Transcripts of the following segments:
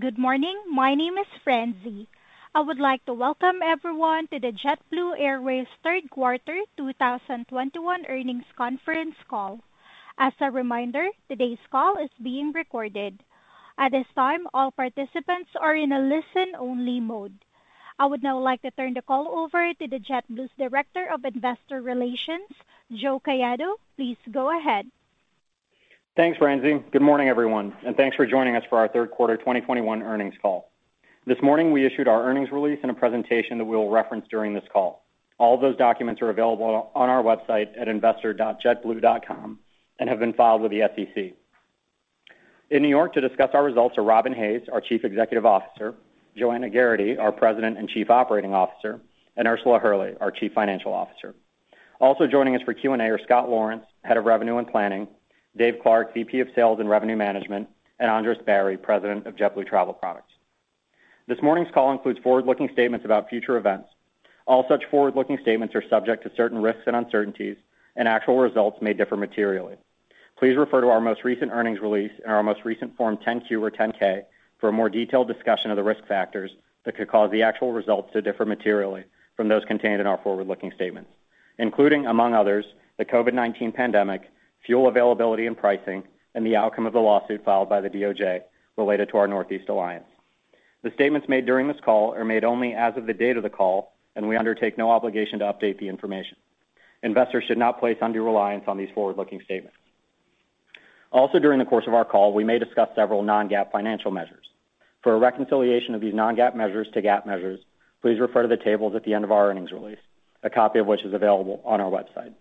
Good morning. My name is Francie. I would like to welcome everyone to the JetBlue Airways third quarter 2021 earnings conference call. As a reminder, today's call is being recorded. At this time, all participants are in a listen-only mode. I would now like to turn the call over to JetBlue's Director of Investor Relations, Joe Caiado. Please go ahead. Thanks, Francie. Good morning, everyone, and thanks for joining us for our third quarter 2021 earnings call. This morning, we issued our earnings release and a presentation that we'll reference during this call. All those documents are available on our website at investor.jetblue.com and have been filed with the SEC. In New York to discuss our results are Robin Hayes, our Chief Executive Officer, Joanna Geraghty, our President and Chief Operating Officer, and Ursula Hurley, our Chief Financial Officer. Also joining us for Q&A are Scott Laurence, Head of Revenue and Planning, Dave Clark, VP of Sales and Revenue Management, and Andres Barry, President of JetBlue Travel Products. This morning's call includes forward-looking statements about future events. All such forward-looking statements are subject to certain risks and uncertainties, and actual results may differ materially. Please refer to our most recent earnings release and our most recent Form 10-Q or 10-K for a more detailed discussion of the risk factors that could cause the actual results to differ materially from those contained in our forward-looking statements, including, among others, the COVID-19 pandemic, fuel availability and pricing, and the outcome of the lawsuit filed by the DOJ related to our Northeast Alliance. The statements made during this call are made only as of the date of the call, and we undertake no obligation to update the information. Investors should not place undue reliance on these forward-looking statements. Also, during the course of our call, we may discuss several non-GAAP financial measures. For a reconciliation of these non-GAAP measures to GAAP measures, please refer to the tables at the end of our earnings release, a copy of which is available on our website.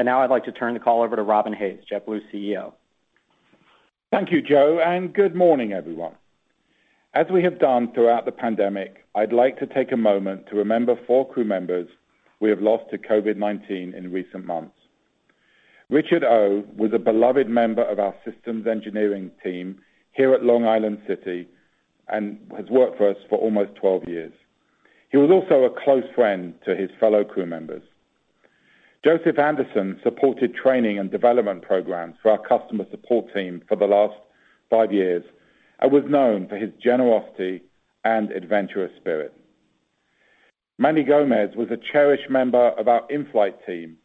Now I'd like to turn the call over to Robin Hayes, JetBlue's CEO. Thank you, Joe, and good morning, everyone. As we have done throughout the pandemic, I'd like to take a moment to remember four crew members we have lost to COVID-19 in recent months. Richard Oh was a beloved member of our systems engineering team here at Long Island City and has worked for us for almost 12 years. He was also a close friend to his fellow crew members. Joseph Anderson supported training and development programs for our customer support team for the last five years and was known for his generosity and adventurous spirit. Manny Gomez was a cherished member of our in-flight team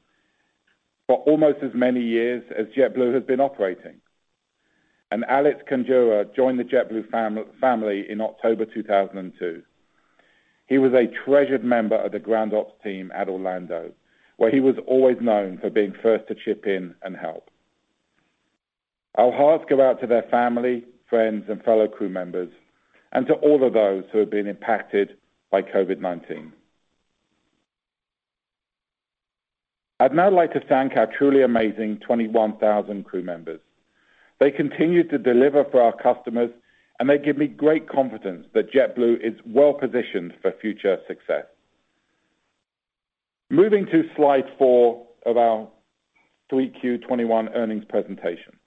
for almost as many years as JetBlue has been operating. Alex Canjura joined the JetBlue family in October 2002. He was a treasured member of the Ground Ops Team at Orlando, where he was always known for being first to chip in and help. Our hearts go out to their family, friends, and fellow crew members and to all of those who have been impacted by COVID-19. I'd now like to thank our truly amazing 21,000 crew members. They continue to deliver for our customers, and they give me great confidence that JetBlue is well-positioned for future success. Moving to Slide 4 of our 3Q 2021 earnings presentation.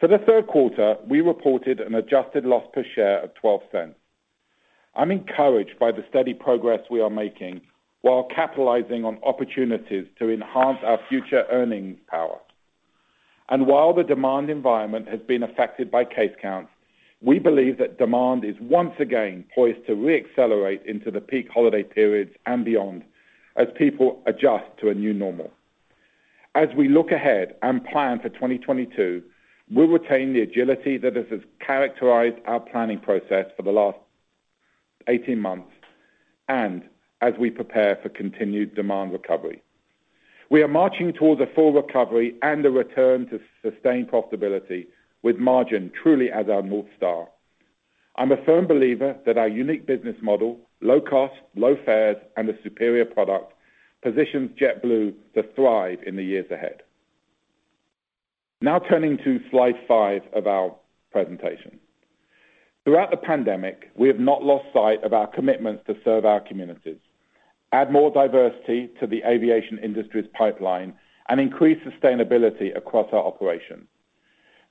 For the third quarter, we reported an adjusted loss per share of $0.12. I'm encouraged by the steady progress we are making while capitalizing on opportunities to enhance our future earnings power. While the demand environment has been affected by case count, we believe that demand is once again poised to re-accelerate into the peak holiday periods and beyond as people adjust to a new normal. As we look ahead and plan for 2022, we'll retain the agility that has characterized our planning process for the last 18 months and as we prepare for continued demand recovery. We are marching towards a full recovery and a return to sustained profitability with margin truly as our North Star. I'm a firm believer that our unique business model, low cost, low fares, and a superior product positions JetBlue to thrive in the years ahead. Now turning to Slide 5 of our presentation. Throughout the pandemic, we have not lost sight of our commitment to serve our communities, add more diversity to the aviation industry's pipeline, and increase sustainability across our operation.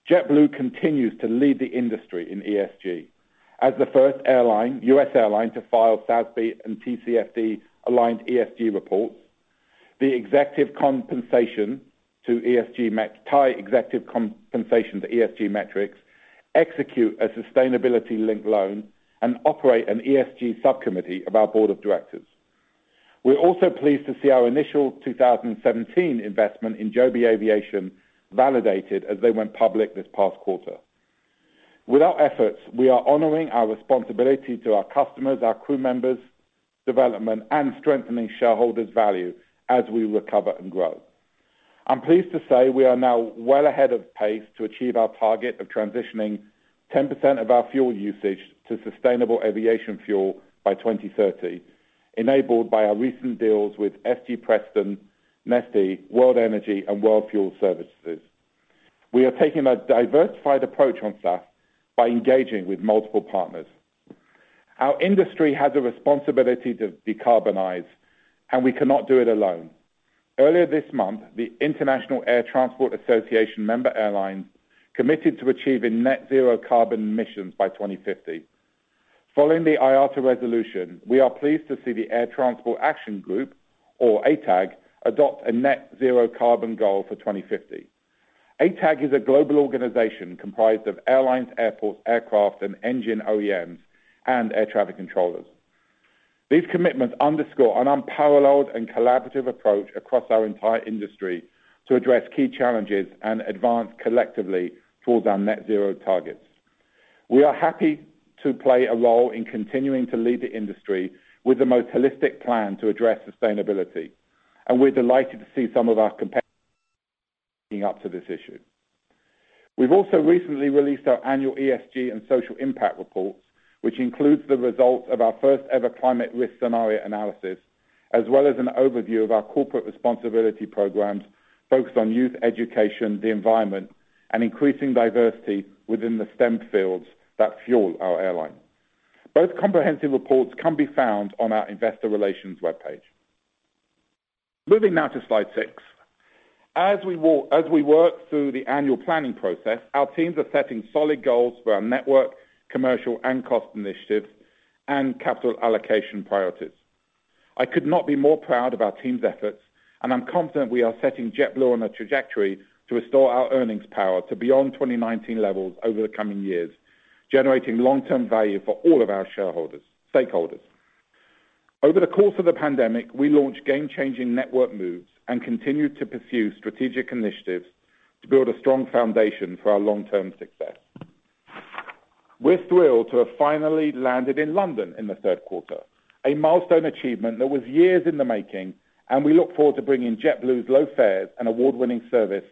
JetBlue continues to lead the industry in ESG as the first U.S. airline to file SASB and TCFD-aligned ESG reports, tie executive compensation to ESG metrics, execute a sustainability-linked loan, and operate an ESG subcommittee of our Board of Directors. We're also pleased to see our initial 2017 investment in Joby Aviation validated as they went public this past quarter. With our efforts, we are honoring our responsibility to our customers, our crewmembers' development, and strengthening shareholders' value as we recover and grow. I'm pleased to say we are now well ahead of pace to achieve our target of transitioning 10% of our fuel usage to sustainable aviation fuel by 2030, enabled by our recent deals with SG Preston, Neste, World Energy, and World Fuel Services. We are taking a diversified approach on SAF by engaging with multiple partners. Our industry has a responsibility to decarbonize, and we cannot do it alone. Earlier this month, the International Air Transport Association member airlines committed to achieving net zero carbon emissions by 2050. Following the IATA resolution, we are pleased to see the Air Transport Action Group, or ATAG, adopt a net zero carbon goal for 2050. ATAG is a global organization comprised of airlines, airports, aircraft, and engine OEMs and air traffic controllers. These commitments underscore an unparalleled and collaborative approach across our entire industry to address key challenges and advance collectively towards our net zero targets. We are happy to play a role in continuing to lead the industry with the most holistic plan to address sustainability, and we're delighted to see some of our competitors up to this issue. We've also recently released our annual ESG and social impact reports, which includes the results of our first ever climate risk scenario analysis, as well as an overview of our corporate responsibility programs focused on youth education, the environment, and increasing diversity within the STEM fields that fuel our airline. Both comprehensive reports can be found on our investor relations webpage. Moving now to Slide 6. As we work through the annual planning process, our teams are setting solid goals for our network, commercial and cost initiatives, and capital allocation priorities. I could not be more proud of our team's efforts, and I'm confident we are setting JetBlue on a trajectory to restore our earnings power to beyond 2019 levels over the coming years, generating long-term value for all of our shareholders, stakeholders. Over the course of the pandemic, we launched game-changing network moves and continued to pursue strategic initiatives to build a strong foundation for our long-term success. We're thrilled to have finally landed in London in the third quarter, a milestone achievement that was years in the making, and we look forward to bringing JetBlue's low fares and award-winning service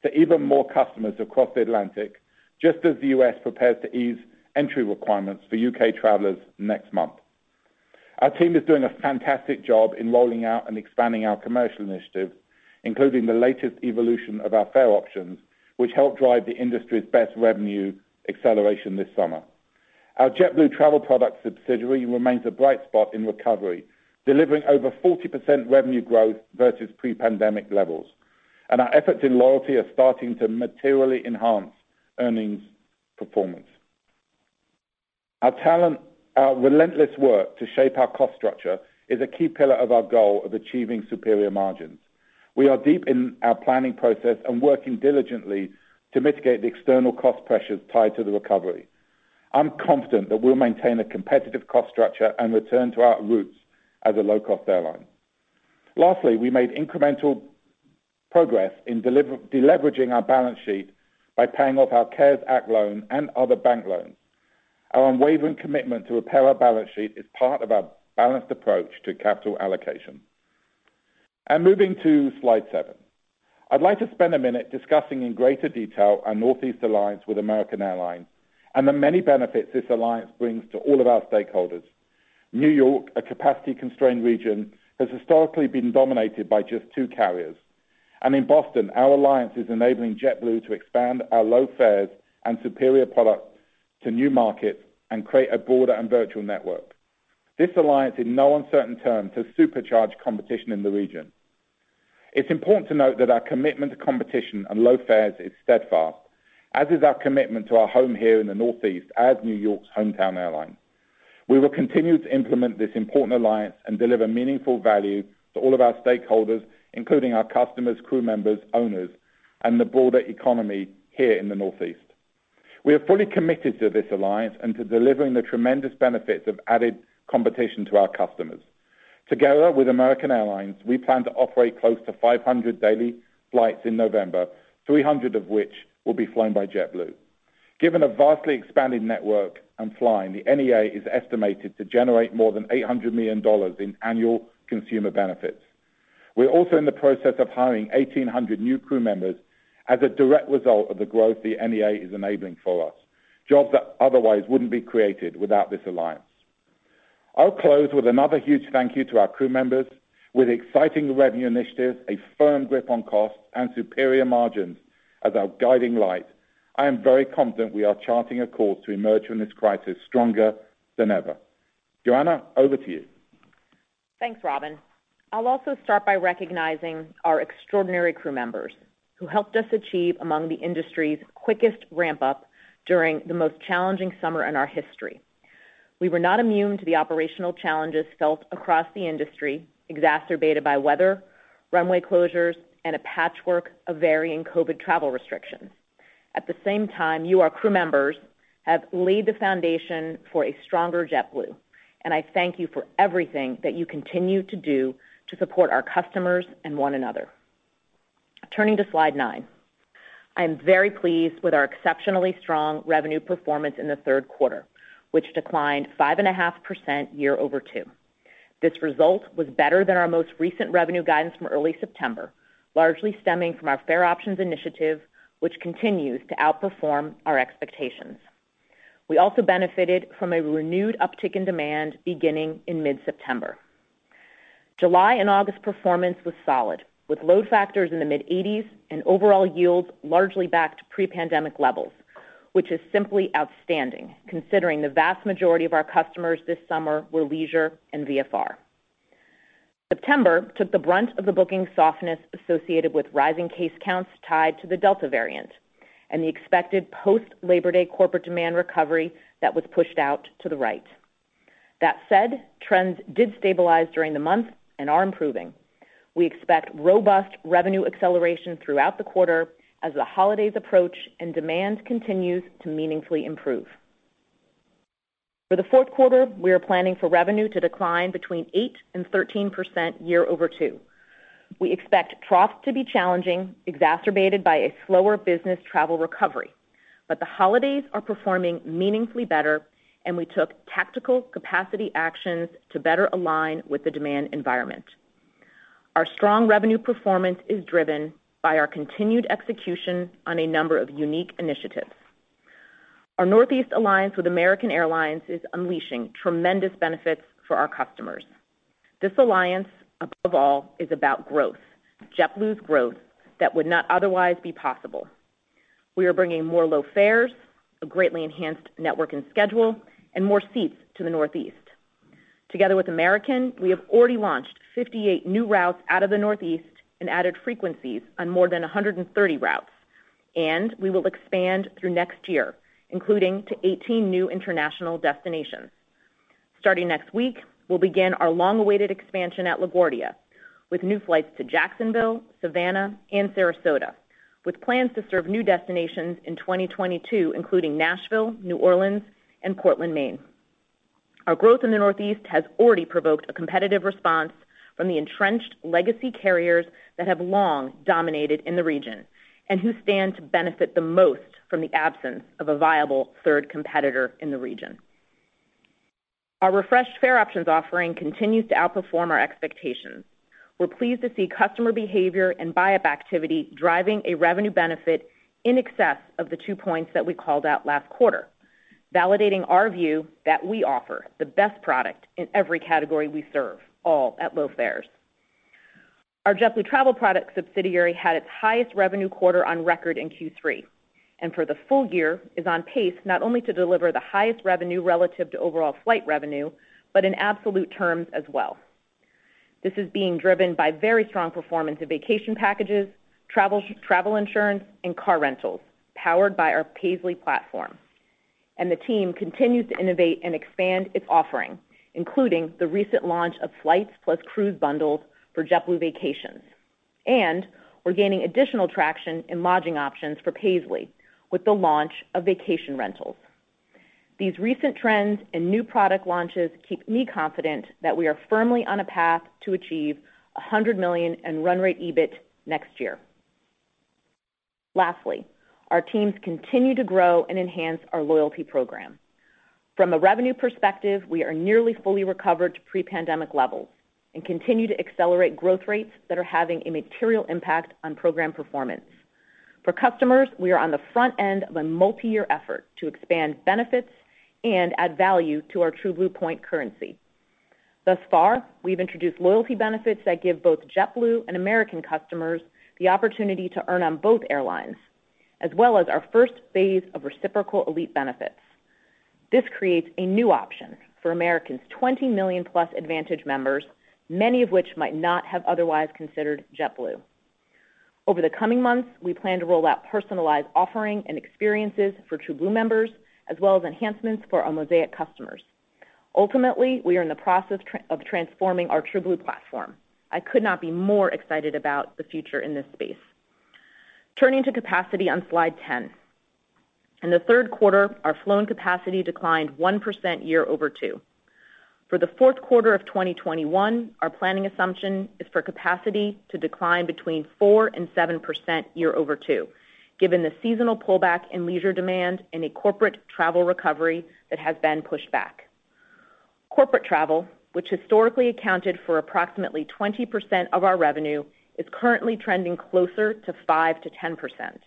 to even more customers across the Atlantic, just as the U.S. prepares to ease entry requirements for U.K. travelers next month. Our team is doing a fantastic job in rolling out and expanding our commercial initiatives, including the latest evolution of our Fare Options, which help drive the industry's best revenue acceleration this summer. Our JetBlue Travel Products subsidiary remains a bright spot in recovery, delivering over 40% revenue growth versus pre-pandemic levels, and our efforts in loyalty are starting to materially enhance earnings performance. Our relentless work to shape our cost structure is a key pillar of our goal of achieving superior margins. We are deep in our planning process and working diligently to mitigate the external cost pressures tied to the recovery. I'm confident that we'll maintain a competitive cost structure and return to our roots as a low-cost airline. Lastly, we made incremental progress in deleveraging our balance sheet by paying off our CARES Act loan and other bank loans. Our unwavering commitment to repair our balance sheet is part of our balanced approach to capital allocation. Moving to Slide 7. I'd like to spend a minute discussing in greater detail our Northeast Alliance with American Airlines and the many benefits this alliance brings to all of our stakeholders. New York, a capacity-constrained region, has historically been dominated by just two carriers. In Boston, our alliance is enabling JetBlue to expand our low fares and superior products to new markets and create a broader and virtual network. This alliance, in no uncertain terms, has supercharged competition in the region. It's important to note that our commitment to competition and low fares is steadfast, as is our commitment to our home here in the Northeast as New York's hometown airline. We will continue to implement this important alliance and deliver meaningful value to all of our stakeholders, including our customers, crew members, owners, and the broader economy here in the Northeast. We are fully committed to this alliance and to delivering the tremendous benefits of added competition to our customers. Together with American Airlines, we plan to operate close to 500 daily flights in November, 300 of which will be flown by JetBlue. Given a vastly expanded network and flying, the NEA is estimated to generate more than $800 million in annual consumer benefits. We're also in the process of hiring 1,800 new crew members as a direct result of the growth the NEA is enabling for us, jobs that otherwise wouldn't be created without this alliance. I'll close with another huge thank you to our crew members. With exciting revenue initiatives, a firm grip on costs, and superior margins as our guiding light, I am very confident we are charting a course to emerge from this crisis stronger than ever. Joanna, over to you. Thanks, Robin. I'll also start by recognizing our extraordinary crew members who helped us achieve among the industry's quickest ramp-up during the most challenging summer in our history. We were not immune to the operational challenges felt across the industry, exacerbated by weather, runway closures, and a patchwork of varying COVID travel restrictions. At the same time, you, our crew members, have laid the foundation for a stronger JetBlue, and I thank you for everything that you continue to do to support our customers and one another. Turning to Slide 9. I am very pleased with our exceptionally strong revenue performance in the third quarter, which declined 5.5% year-over-year. This result was better than our most recent revenue guidance from early September, largely stemming from our Fare Options initiative, which continues to outperform our expectations. We also benefited from a renewed uptick in demand beginning in mid-September. July and August performance was solid, with load factors in the mid-80s and overall yields largely back to pre-pandemic levels, which is simply outstanding considering the vast majority of our customers this summer were leisure and VFR. September took the brunt of the booking softness associated with rising case counts tied to the Delta variant and the expected post-Labor Day corporate demand recovery that was pushed out to the right. That said, trends did stabilize during the month and are improving. We expect robust revenue acceleration throughout the quarter as the holidays approach and demand continues to meaningfully improve. For the fourth quarter, we are planning for revenue to decline between 8% and 13% year-over-year. We expect trough to be challenging, exacerbated by a slower business travel recovery. The holidays are performing meaningfully better, and we took tactical capacity actions to better align with the demand environment. Our strong revenue performance is driven by our continued execution on a number of unique initiatives. Our Northeast Alliance with American Airlines is unleashing tremendous benefits for our customers. This alliance, above all, is about growth, JetBlue's growth that would not otherwise be possible. We are bringing more low fares, a greatly enhanced network and schedule, and more seats to the Northeast. Together with American, we have already launched 58 new routes out of the Northeast and added frequencies on more than 130 routes, and we will expand through next year, including to 18 new international destinations. Starting next week, we'll begin our long-awaited expansion at LaGuardia with new flights to Jacksonville, Savannah, and Sarasota, with plans to serve new destinations in 2022, including Nashville, New Orleans, and Portland, Maine. Our growth in the Northeast has already provoked a competitive response from the entrenched legacy carriers that have long dominated in the region and who stand to benefit the most from the absence of a viable third competitor in the region. Our refreshed Fare Options offering continues to outperform our expectations. We're pleased to see customer behavior and buy-up activity driving a revenue benefit in excess of the 2 points that we called out last quarter, validating our view that we offer the best product in every category we serve, all at low fares. Our JetBlue Travel Products subsidiary had its highest revenue quarter on record in Q3, and for the full year is on pace not only to deliver the highest revenue relative to overall flight revenue, but in absolute terms as well. This is being driven by very strong performance in vacation packages, travel insurance, and car rentals powered by our Paisly platform. The team continues to innovate and expand its offering, including the recent launch of flights plus cruise bundles for JetBlue Vacations. We're gaining additional traction in lodging options for Paisly with the launch of vacation rentals. These recent trends and new product launches keep me confident that we are firmly on a path to achieve $100 million in run rate EBIT next year. Lastly, our teams continue to grow and enhance our loyalty program. From a revenue perspective, we are nearly fully recovered to pre-pandemic levels and continue to accelerate growth rates that are having a material impact on program performance. For customers, we are on the front end of a multi-year effort to expand benefits and add value to our TrueBlue point currency. Thus far, we've introduced loyalty benefits that give both JetBlue and American customers the opportunity to earn on both airlines, as well as our first phase of reciprocal elite benefits. This creates a new option for American's 20 million+ AAdvantage members, many of which might not have otherwise considered JetBlue. Over the coming months, we plan to roll out personalized offering and experiences for TrueBlue members, as well as enhancements for our Mosaic customers. Ultimately, we are in the process of transforming our TrueBlue platform. I could not be more excited about the future in this space. Turning to capacity on Slide 10. In the third quarter, our flown capacity declined 1% year-over-year. For the fourth quarter of 2021, our planning assumption is for capacity to decline between 4% and 7% year-over-year, given the seasonal pullback in leisure demand and a corporate travel recovery that has been pushed back. Corporate travel, which historically accounted for approximately 20% of our revenue, is currently trending closer to 5%-10%.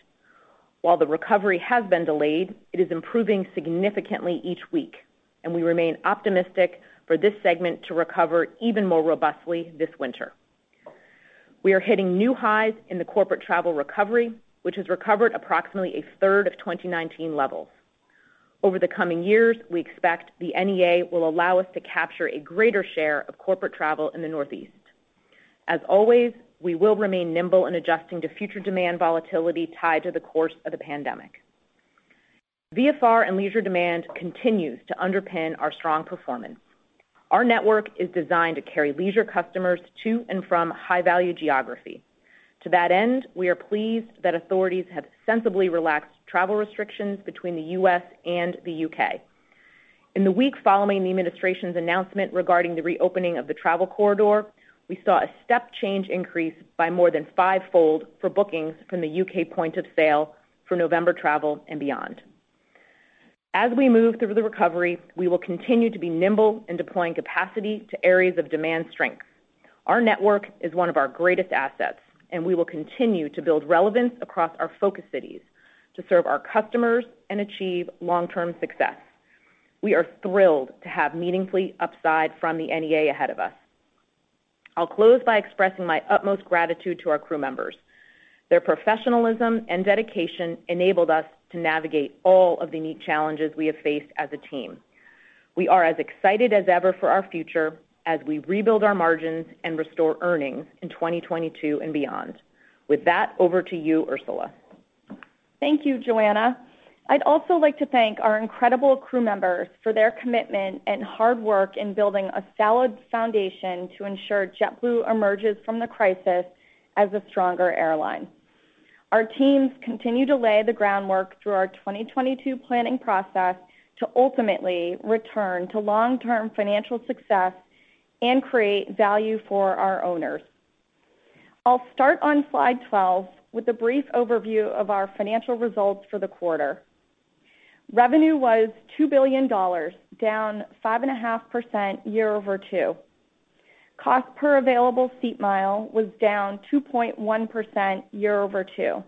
While the recovery has been delayed, it is improving significantly each week, and we remain optimistic for this segment to recover even more robustly this winter. We are hitting new highs in the corporate travel recovery, which has recovered approximately 1/3 of 2019 levels. Over the coming years, we expect the NEA will allow us to capture a greater share of corporate travel in the Northeast. As always, we will remain nimble in adjusting to future demand volatility tied to the course of the pandemic. VFR and leisure demand continues to underpin our strong performance. Our network is designed to carry leisure customers to and from high-value geography. To that end, we are pleased that authorities have sensibly relaxed travel restrictions between the U.S. and the U.K. In the week following the administration's announcement regarding the reopening of the travel corridor, we saw a step change increase by more than five-fold for bookings from the U.K. point of sale for November travel and beyond. As we move through the recovery, we will continue to be nimble in deploying capacity to areas of demand strength. Our network is one of our greatest assets, and we will continue to build relevance across our focus cities to serve our customers and achieve long-term success. We are thrilled to have meaningfully upside from the NEA ahead of us. I'll close by expressing my utmost gratitude to our crew members. Their professionalism and dedication enabled us to navigate all of the unique challenges we have faced as a team. We are as excited as ever for our future as we rebuild our margins and restore earnings in 2022 and beyond. With that, over to you, Ursula. Thank you, Joanna. I'd also like to thank our incredible crew members for their commitment and hard work in building a solid foundation to ensure JetBlue emerges from the crisis as a stronger airline. Our teams continue to lay the groundwork through our 2022 planning process to ultimately return to long-term financial success and create value for our owners. I'll start on Slide 12 with a brief overview of our financial results for the quarter. Revenue was $2 billion, down 5.5% year-over-year. Cost per available seat mile was down 2.1% year-over-year.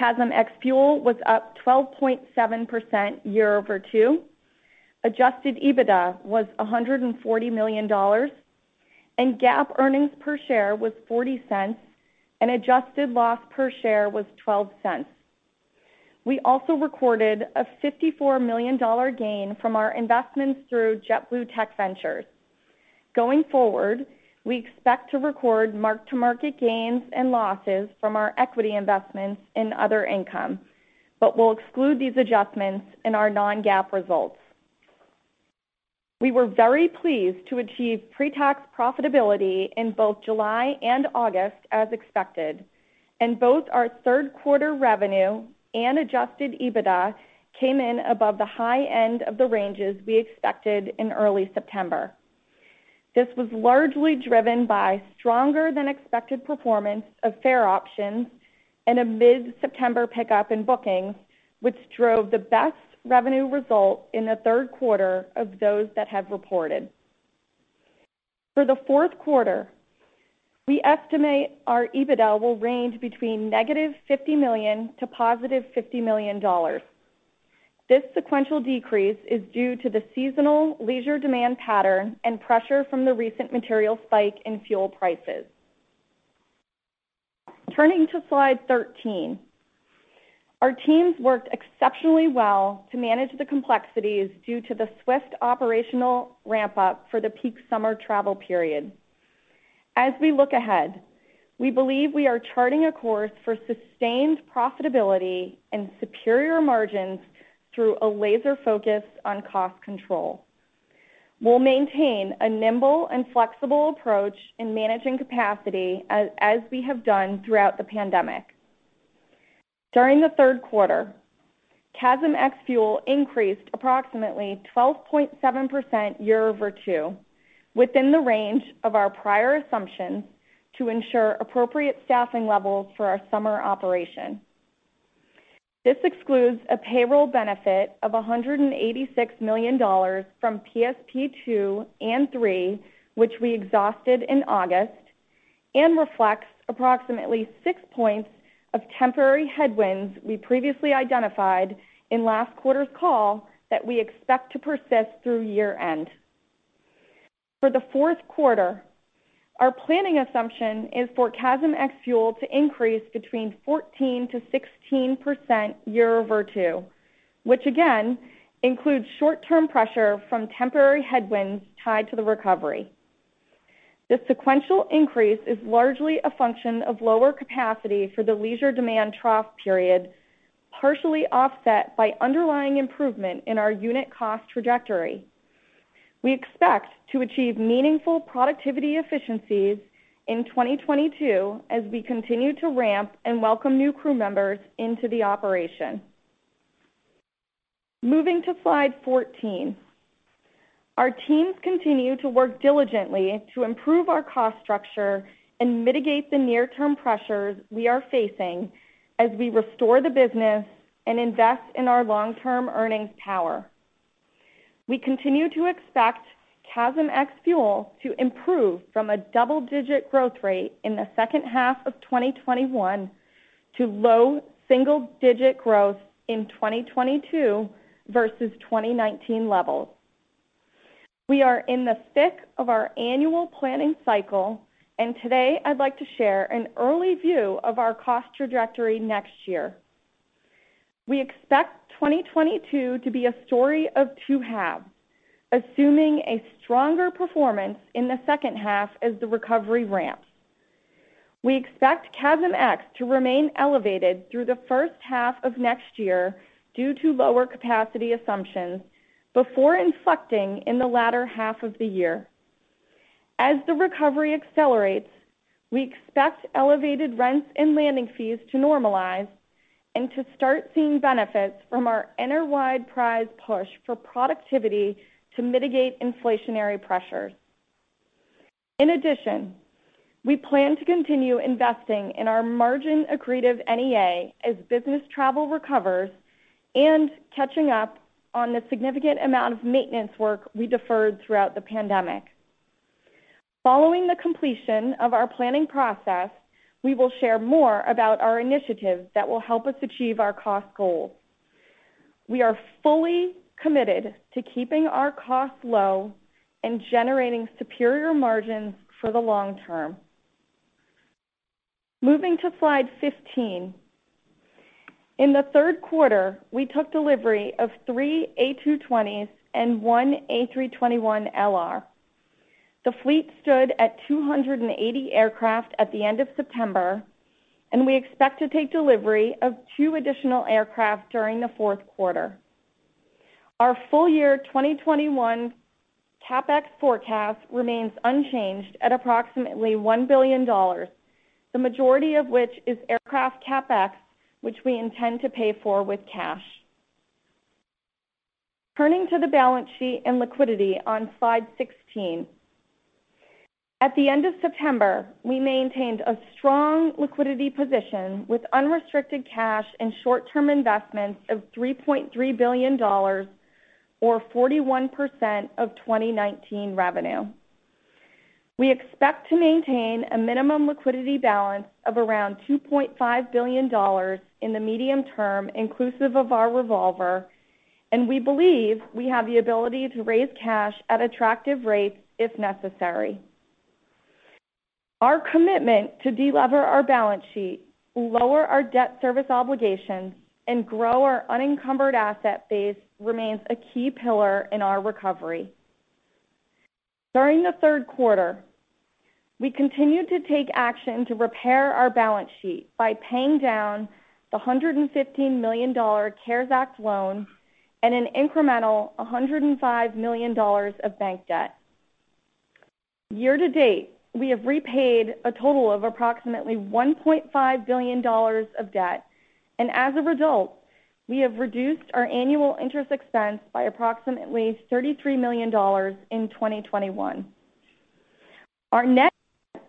CASM Ex-Fuel was up 12.7% year-over-year. Adjusted EBITDA was $140 million, and GAAP earnings per share was $0.40, and adjusted loss per share was $0.12. We also recorded a $54 million gain from our investments through JetBlue Technology Ventures. Going forward, we expect to record mark-to-market gains and losses from our equity investments in other income, but we'll exclude these adjustments in our non-GAAP results. We were very pleased to achieve pre-tax profitability in both July and August as expected, and both our third quarter revenue and adjusted EBITDA came in above the high end of the ranges we expected in early September. This was largely driven by stronger than expected performance of Fare Options and a mid-September pickup in bookings, which drove the best revenue result in the third quarter of those that have reported. For the fourth quarter, we estimate our EBITDA will range between -$50 million to +$50 million. This sequential decrease is due to the seasonal leisure demand pattern and pressure from the recent material spike in fuel prices. Turning to Slide 13. Our teams worked exceptionally well to manage the complexities due to the swift operational ramp up for the peak summer travel period. As we look ahead, we believe we are charting a course for sustained profitability and superior margins through a laser focus on cost control. We'll maintain a nimble and flexible approach in managing capacity as we have done throughout the pandemic. During the third quarter, CASM Ex-Fuel increased approximately 12.7% year-over-year, within the range of our prior assumptions to ensure appropriate staffing levels for our summer operation. This excludes a payroll benefit of $186 million from PSP2 and 3, which we exhausted in August, and reflects approximately 6 points of temporary headwinds we previously identified in last quarter's call that we expect to persist through year-end. For the fourth quarter, our planning assumption is for CASM Ex-Fuel to increase between 14%-16% year-over-year, which again, includes short-term pressure from temporary headwinds tied to the recovery. The sequential increase is largely a function of lower capacity for the leisure demand trough period, partially offset by underlying improvement in our unit cost trajectory. We expect to achieve meaningful productivity efficiencies in 2022 as we continue to ramp and welcome new crew members into the operation. Moving to Slide 14. Our teams continue to work diligently to improve our cost structure and mitigate the near-term pressures we are facing as we restore the business and invest in our long-term earnings power. We continue to expect CASM Ex-Fuel to improve from a double-digit growth rate in the second half of 2021 to low single-digit growth in 2022 versus 2019 levels. We are in the thick of our annual planning cycle, and today I'd like to share an early view of our cost trajectory next year. We expect 2022 to be a story of two halves, assuming a stronger performance in the second half as the recovery ramps. We expect CASM Ex to remain elevated through the first half of next year due to lower capacity assumptions before inflecting in the latter half of the year. As the recovery accelerates, we expect elevated rents and landing fees to normalize and to start seeing benefits from our enterprise-wide productivity push to mitigate inflationary pressures. In addition, we plan to continue investing in our margin accretive NEA as business travel recovers and catching up on the significant amount of maintenance work we deferred throughout the pandemic. Following the completion of our planning process, we will share more about our initiatives that will help us achieve our cost goals. We are fully committed to keeping our costs low and generating superior margins for the long term. Moving to Slide 15. In the third quarter, we took delivery of three A220s and one A321LR. The fleet stood at 280 aircraft at the end of September, and we expect to take delivery of two additional aircraft during the fourth quarter. Our full year 2021 CapEx forecast remains unchanged at approximately $1 billion, the majority of which is aircraft CapEx, which we intend to pay for with cash. Turning to the balance sheet and liquidity on Slide 16. At the end of September, we maintained a strong liquidity position with unrestricted cash and short-term investments of $3.3 billion or 41% of 2019 revenue. We expect to maintain a minimum liquidity balance of around $2.5 billion in the medium term, inclusive of our revolver, and we believe we have the ability to raise cash at attractive rates if necessary. Our commitment to de-lever our balance sheet, lower our debt service obligations, and grow our unencumbered asset base remains a key pillar in our recovery. During the third quarter, we continued to take action to repair our balance sheet by paying down the $115 million CARES Act loan and an incremental $105 million of bank debt. Year-to-date, we have repaid a total of approximately $1.5 billion of debt, and as a result, we have reduced our annual interest expense by approximately $33 million in 2021. Our net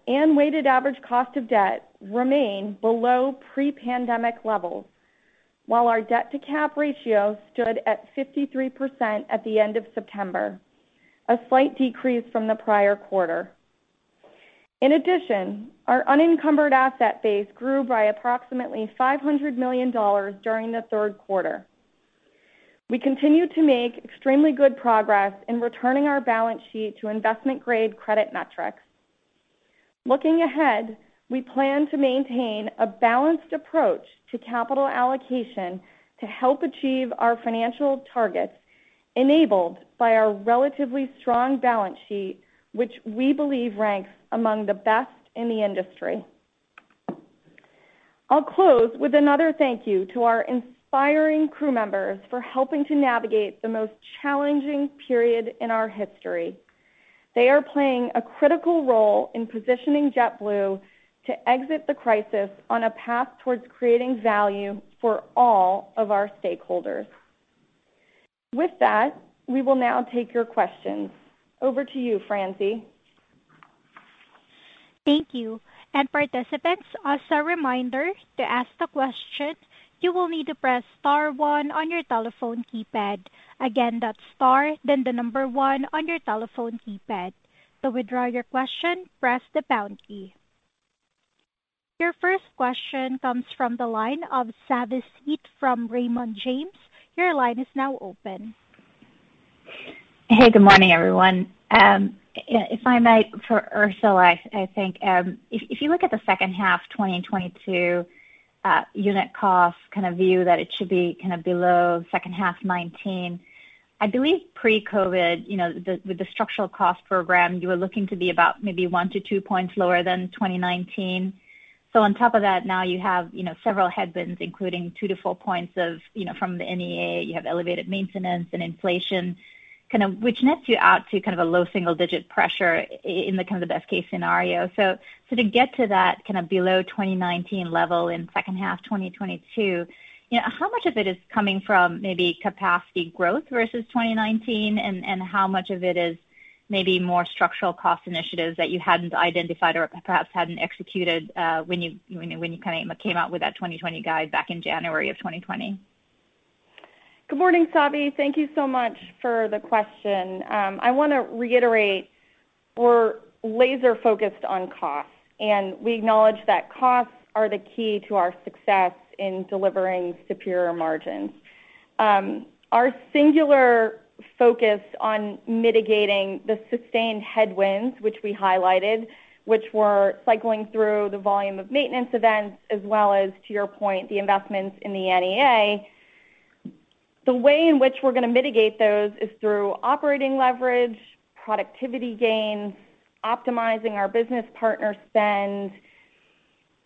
and weighted average cost of debt remain below pre-pandemic levels, while our debt-to-cap ratio stood at 53% at the end of September, a slight decrease from the prior quarter. In addition, our unencumbered asset base grew by approximately $500 million during the third quarter. We continue to make extremely good progress in returning our balance sheet to investment-grade credit metrics. Looking ahead, we plan to maintain a balanced approach to capital allocation to help achieve our financial targets enabled by our relatively strong balance sheet, which we believe ranks among the best in the industry. I'll close with another thank you to our inspiring crew members for helping to navigate the most challenging period in our history. They are playing a critical role in positioning JetBlue to exit the crisis on a path towards creating value for all of our stakeholders. With that, we will now take your questions. Over to you, Francie. Thank you. Participants, as a reminder, to ask the question, you will need to press star one on your telephone keypad. Again, that's star then the number one on your telephone keypad. To withdraw your question, press the pound key. Your first question comes from the line of Savanthi Syth from Raymond James. Your line is now open. Hey, good morning, everyone. If I might, for Ursula, I think if you look at the second half 2022 unit cost kind of view that it should be kind of below second half 2019. I believe pre-COVID, you know, with the structural cost program, you were looking to be about maybe 1-2 points lower than 2019. On top of that, now you have, you know, several headwinds, including 2-4 points of, you know, from the NEA, you have elevated maintenance and inflation, kind of which nets you out to kind of a low single-digit pressure in the kind of best case scenario. To get to that kind of below 2019 level in second half 2022, you know, how much of it is coming from maybe capacity growth versus 2019? How much of it is maybe more structural cost initiatives that you hadn't identified or perhaps hadn't executed, when you kind of came out with that 2020 guide back in January of 2020? Good morning, Savanthi. Thank you so much for the question. I wanna reiterate we're laser-focused on costs, and we acknowledge that costs are the key to our success in delivering superior margins. Our singular focus on mitigating the sustained headwinds which we highlighted, which were cycling through the volume of maintenance events as well as, to your point, the investments in the NEA. The way in which we're gonna mitigate those is through operating leverage, productivity gains, optimizing our business partner spend,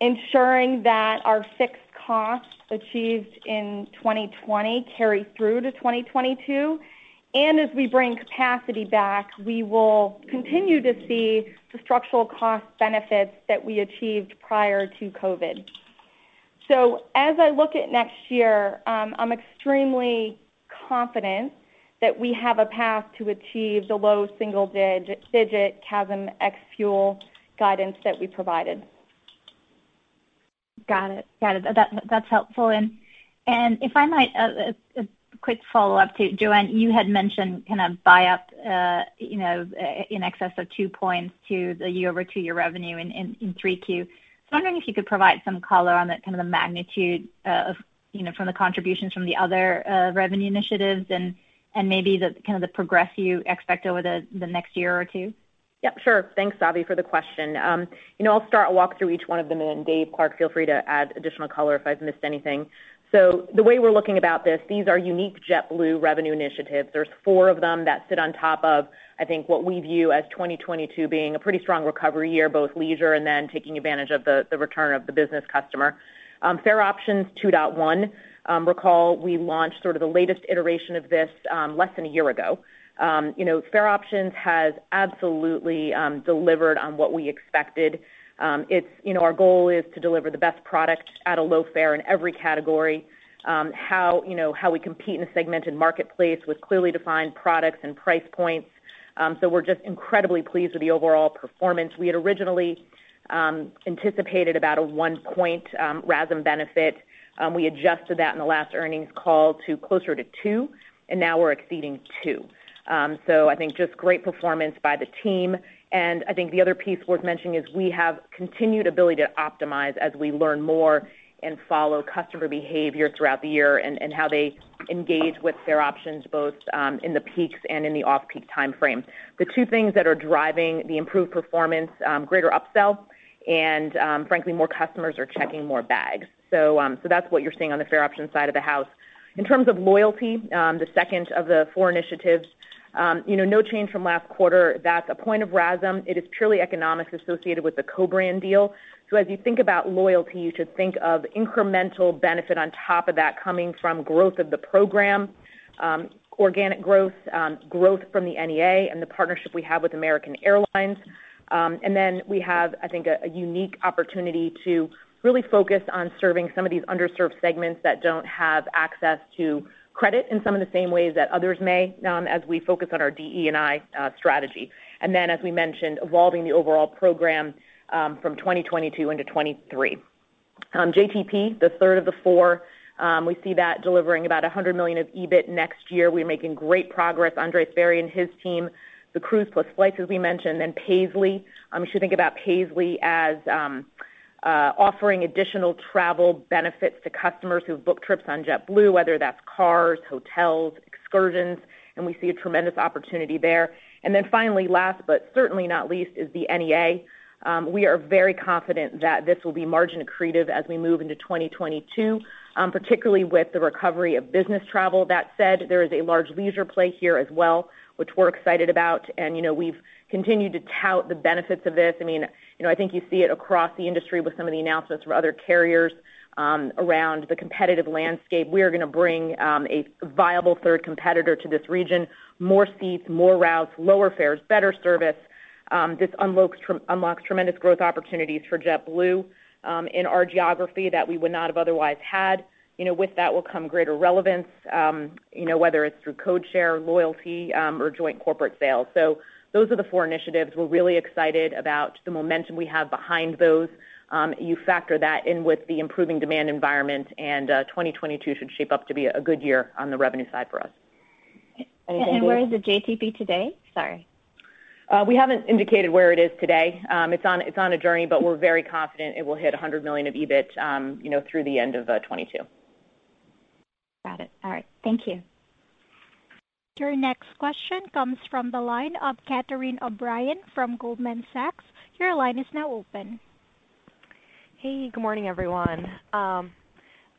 ensuring that our fixed costs achieved in 2020 carry through to 2022. As we bring capacity back, we will continue to see the structural cost benefits that we achieved prior to COVID. As I look at next year, I'm extremely confident that we have a path to achieve the low single-digit CASM Ex-Fuel guidance that we provided. Got it, that's helpful. If I might, a quick follow-up to Joanna, you had mentioned kind of buy up, you know, in excess of 2 points to the year-over-year revenue in 3Q. Wondering if you could provide some color on the magnitude, you know, of the contributions from the other revenue initiatives and maybe the progress you expect over the next year or two? Yep, sure. Thanks, Savi, for the question. You know, I'll start and walk through each one of them, and Dave Clark, feel free to add additional color if I've missed anything. The way we're looking at this, these are unique JetBlue revenue initiatives. There's four of them that sit on top of, I think, what we view as 2022 being a pretty strong recovery year, both leisure and then taking advantage of the return of the business customer. Fare Options 2.1, recall we launched sort of the latest iteration of this, less than a year ago. You know, Fare Options has absolutely delivered on what we expected. It's, you know, our goal is to deliver the best product at a low fare in every category, how we compete in a segmented marketplace with clearly defined products and price points. We're just incredibly pleased with the overall performance. We had originally anticipated about a 1-point RASM benefit. We adjusted that in the last earnings call to closer to 2, and now we're exceeding 2. I think just great performance by the team. I think the other piece worth mentioning is we have continued ability to optimize as we learn more and follow customer behavior throughout the year and how they engage with Fare Options both in the peaks and in the off-peak timeframe. The two things that are driving the improved performance, greater upsell and, frankly, more customers are checking more bags. That's what you're seeing on the Fare Options side of the house. In terms of loyalty, the second of the four initiatives, you know, no change from last quarter. That's a point of RASM. It is purely economics associated with the co-brand deal. As you think about loyalty, you should think of incremental benefit on top of that coming from growth of the program, organic growth from the NEA and the partnership we have with American Airlines. We have, I think, a unique opportunity to really focus on serving some of these underserved segments that don't have access to credit in some of the same ways that others may, as we focus on our DE&I strategy. As we mentioned, evolving the overall program from 2022 into 2023. JTP, the third of the four, we see that delivering about $100 million of EBIT next year. We're making great progress, Andres Barry and his team, the cruise-plus flights, as we mentioned, and Paisly. You should think about Paisly as offering additional travel benefits to customers who book trips on JetBlue, whether that's cars, hotels, excursions, and we see a tremendous opportunity there. Finally, last but certainly not least, is the NEA. We are very confident that this will be margin accretive as we move into 2022, particularly with the recovery of business travel. That said, there is a large leisure play here as well, which we're excited about. You know, we've continued to tout the benefits of this. I mean, you know, I think you see it across the industry with some of the announcements from other carriers, around the competitive landscape. We are gonna bring a viable third competitor to this region, more seats, more routes, lower fares, better service. This unlocks tremendous growth opportunities for JetBlue, in our geography that we would not have otherwise had. You know, with that will come greater relevance, you know, whether it's through code share, loyalty, or joint corporate sales. Those are the four initiatives. We're really excited about the momentum we have behind those. You factor that in with the improving demand environment, and 2022 should shape up to be a good year on the revenue side for us. Where is the JTP today? Sorry. We haven't indicated where it is today. It's on a journey, but we're very confident it will hit $100 million of EBIT, you know, through the end of 2022. Got it. All right, thank you. Your next question comes from the line of Catherine O'Brien from Goldman Sachs. Your line is now open. Hey, good morning, everyone.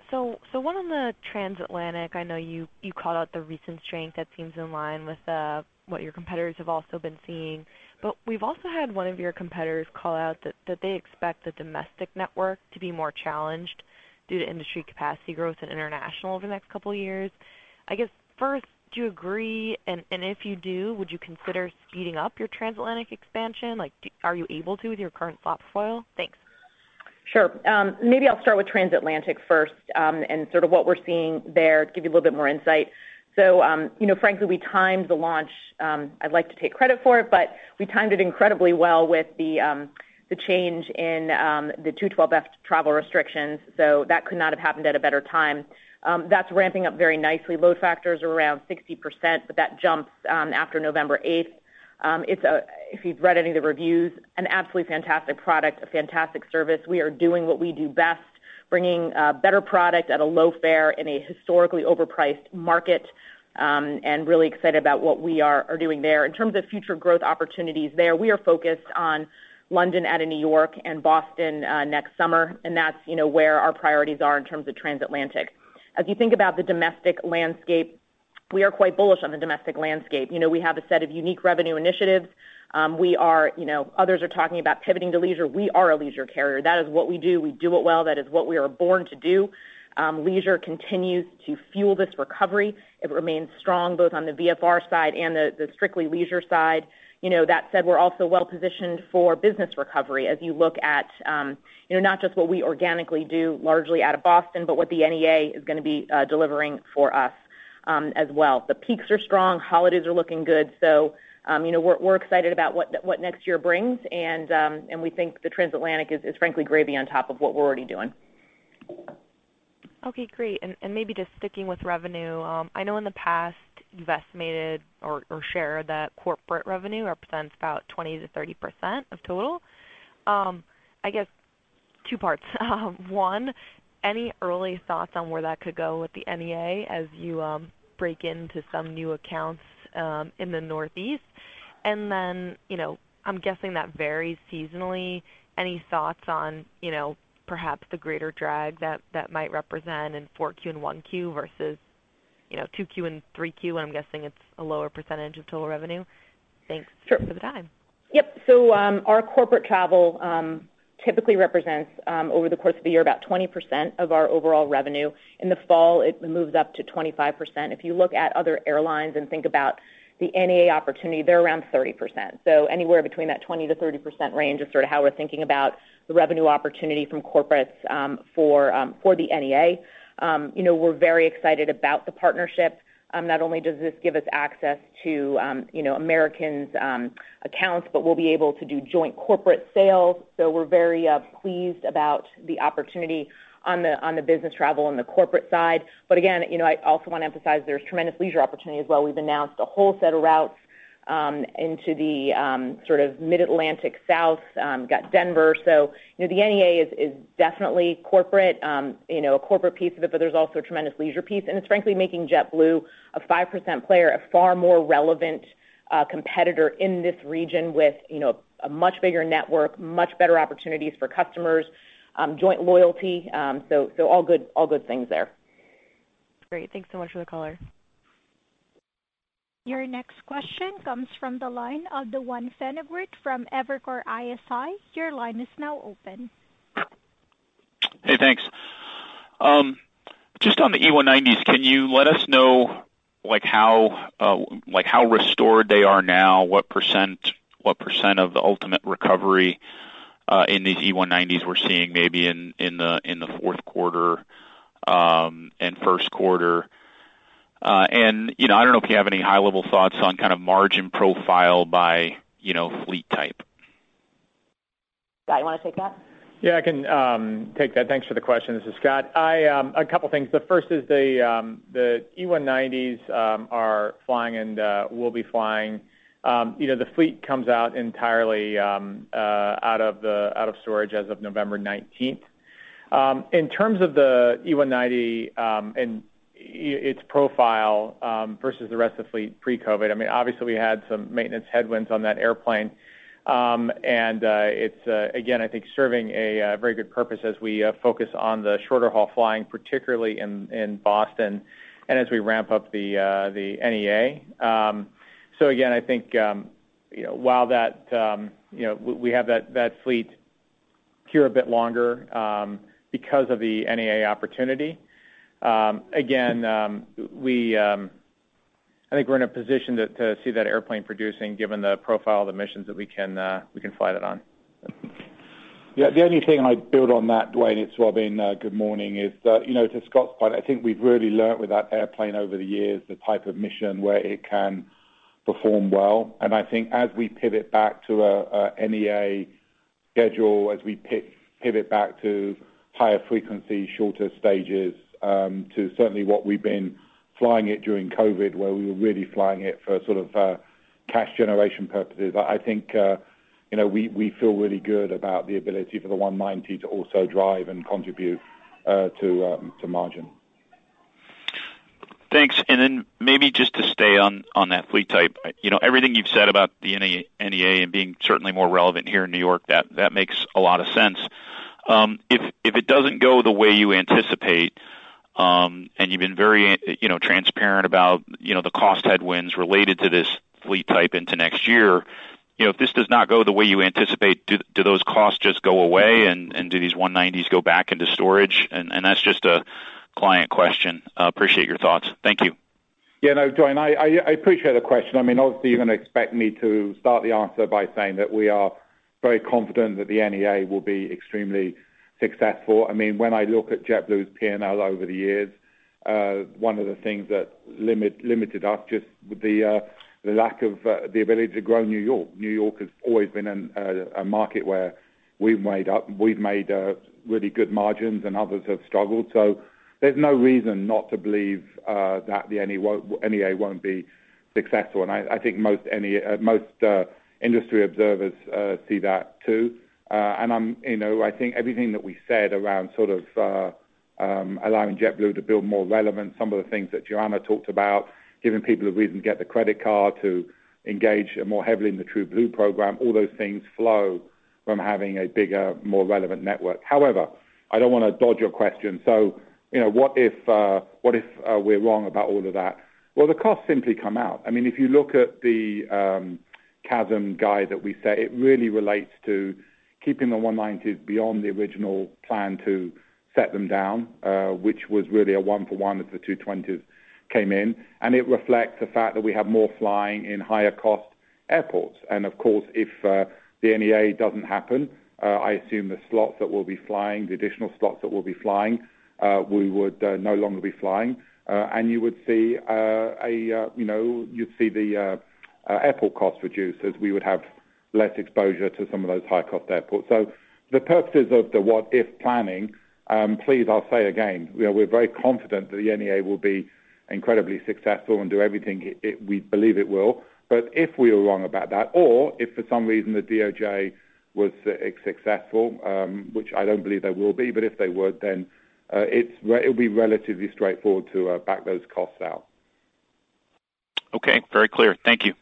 So one on the transatlantic, I know you called out the recent strength that seems in line with what your competitors have also been seeing. We've also had one of your competitors call out that they expect the domestic network to be more challenged due to industry capacity growth in international over the next couple years. I guess, first, do you agree? If you do, would you consider speeding up your transatlantic expansion? Like, are you able to with your current slot portfolio? Thanks. Sure. Maybe I'll start with transatlantic first, and sort of what we're seeing there to give you a little bit more insight. You know, frankly, we timed the launch. I'd like to take credit for it, but we timed it incredibly well with the change in the 212(f) travel restrictions. That could not have happened at a better time. That's ramping up very nicely. Load factors are around 60%, but that jumps after November 8th. It's a, if you've read any of the reviews, an absolutely fantastic product, a fantastic service. We are doing what we do best, bringing better product at a low fare in a historically overpriced market, and really excited about what we are doing there. In terms of future growth opportunities there, we are focused on London out of New York and Boston, next summer, and that's, you know, where our priorities are in terms of transatlantic. As you think about the domestic landscape, we are quite bullish on the domestic landscape. You know, we have a set of unique revenue initiatives. We are, you know, others are talking about pivoting to leisure. We are a leisure carrier. That is what we do. We do it well. That is what we are born to do. Leisure continues to fuel this recovery. It remains strong both on the VFR side and the strictly leisure side. You know, that said, we're also well-positioned for business recovery as you look at, not just what we organically do largely out of Boston, but what the NEA is gonna be delivering for us, as well. The peaks are strong, holidays are looking good. You know, we're excited about what next year brings, and we think the transatlantic is frankly gravy on top of what we're already doing. Okay, great. Maybe just sticking with revenue, I know in the past you've estimated or shared that corporate revenue represents about 20%-30% of total. I guess two parts. One, any early thoughts on where that could go with the NEA as you break into some new accounts in the Northeast? You know, I'm guessing that varies seasonally. Any thoughts on, you know, perhaps the greater drag that might represent in 4Q and 1Q versus, you know, 2Q and 3Q, I'm guessing it's a lower percentage of total revenue. Thanks for the time. Yep, our corporate travel typically represents, over the course of the year, about 20% of our overall revenue. In the fall, it moves up to 25%. If you look at other airlines and think about the NEA opportunity, they're around 30%. Anywhere between that 20%-30% range is sort of how we're thinking about the revenue opportunity from corporates, for the NEA. You know, we're very excited about the partnership. Not only does this give us access to, you know, American's accounts, but we'll be able to do joint corporate sales. We're very pleased about the opportunity on the business travel and the corporate side. Again, you know, I also wanna emphasize there's tremendous leisure opportunity as well. We've announced a whole set of routes into the sort of Mid-Atlantic South, got Denver. You know, the NEA is definitely corporate, you know, a corporate piece of it, but there's also a tremendous leisure piece, and it's frankly making JetBlue a 5% player, a far more relevant competitor in this region with, you know, a much bigger network, much better opportunities for customers, joint loyalty, so all good things there. Great. Thanks so much for the color. Your next question comes from the line of Duane Pfennigwerth from Evercore ISI. Your line is now open. Hey, thanks. Just on the E190s, can you let us know, like how restored they are now? What percent of the ultimate recovery in these E190s we're seeing maybe in the fourth quarter and first quarter? You know, I don't know if you have any high-level thoughts on kind of margin profile by, you know, fleet type. Scott, you wanna take that? Yeah, I can take that. Thanks for the question, this is Scott. I have a couple things. The first is the E190s are flying and will be flying. You know, the fleet comes out entirely out of storage as of November 19th. In terms of the E190 and its profile versus the rest of the fleet pre-COVID, I mean, obviously we had some maintenance headwinds on that airplane. It's again, I think, serving a very good purpose as we focus on the shorter haul flying, particularly in Boston and as we ramp up the NEA. Again, I think you know we have that fleet here a bit longer because of the NEA opportunity. Again, I think we're in a position to see that airplane producing given the profile of the missions that we can fly that on. The only thing I'd build on that, Duane, it's Robin. Good morning. Is that, you know, to Scott's point, I think we've really learned with that airplane over the years, the type of mission where it can perform well. I think as we pivot back to a NEA schedule, as we pivot back to higher frequency, shorter stages, to certainly what we've been flying it during COVID, where we were really flying it for sort of cash generation purposes, I think, you know, we feel really good about the ability for the E190 to also drive and contribute to margin. Thanks. And then, maybe just to stay on that fleet type. You know, everything you've said about the NEA and being certainly more relevant here in New York, that makes a lot of sense. If it doesn't go the way you anticipate, and you've been very, you know, transparent about, you know, the cost headwinds related to this fleet type into next year. You know, if this does not go the way you anticipate, do those costs just go away? And do these E190s go back into storage? And that's just a client question. Appreciate your thoughts, thank you. Yeah. No, Duane, I appreciate the question. I mean, obviously, you're gonna expect me to start the answer by saying that we are very confident that the NEA will be extremely successful. I mean, when I look at JetBlue's P&L over the years, one of the things that limited us just with the lack of the ability to grow New York. New York has always been a market where we've made really good margins and others have struggled. So there's no reason not to believe that the NEA won't be successful. I think most industry observers see that too. I think everything that we said around sort of allowing JetBlue to build more relevance, some of the things that Joanna talked about, giving people a reason to get the credit card, to engage more heavily in the TrueBlue program, all those things flow from having a bigger, more relevant network. However, I don't wanna dodge your question. You know, what if we're wrong about all of that? Well, the costs simply come out. I mean, if you look at the CASM guide that we set, it really relates to keeping the E190s beyond the original plan to set them down, which was really a one-for-one as the A220s came in. It reflects the fact that we have more flying in higher cost airports. Of course, if the NEA doesn't happen, I assume the additional slots that will be flying we would no longer be flying. You would see, you know, you'd see the airport costs reduce as we would have less exposure to some of those high cost airports. The purposes of the what if planning, please, I'll say again, we're very confident that the NEA will be incredibly successful and do everything it we believe it will. If we are wrong about that or if for some reason the DOJ was successful, which I don't believe they will be, but if they would then, it'll be relatively straightforward to back those costs out. Okay, very clear. Thank you.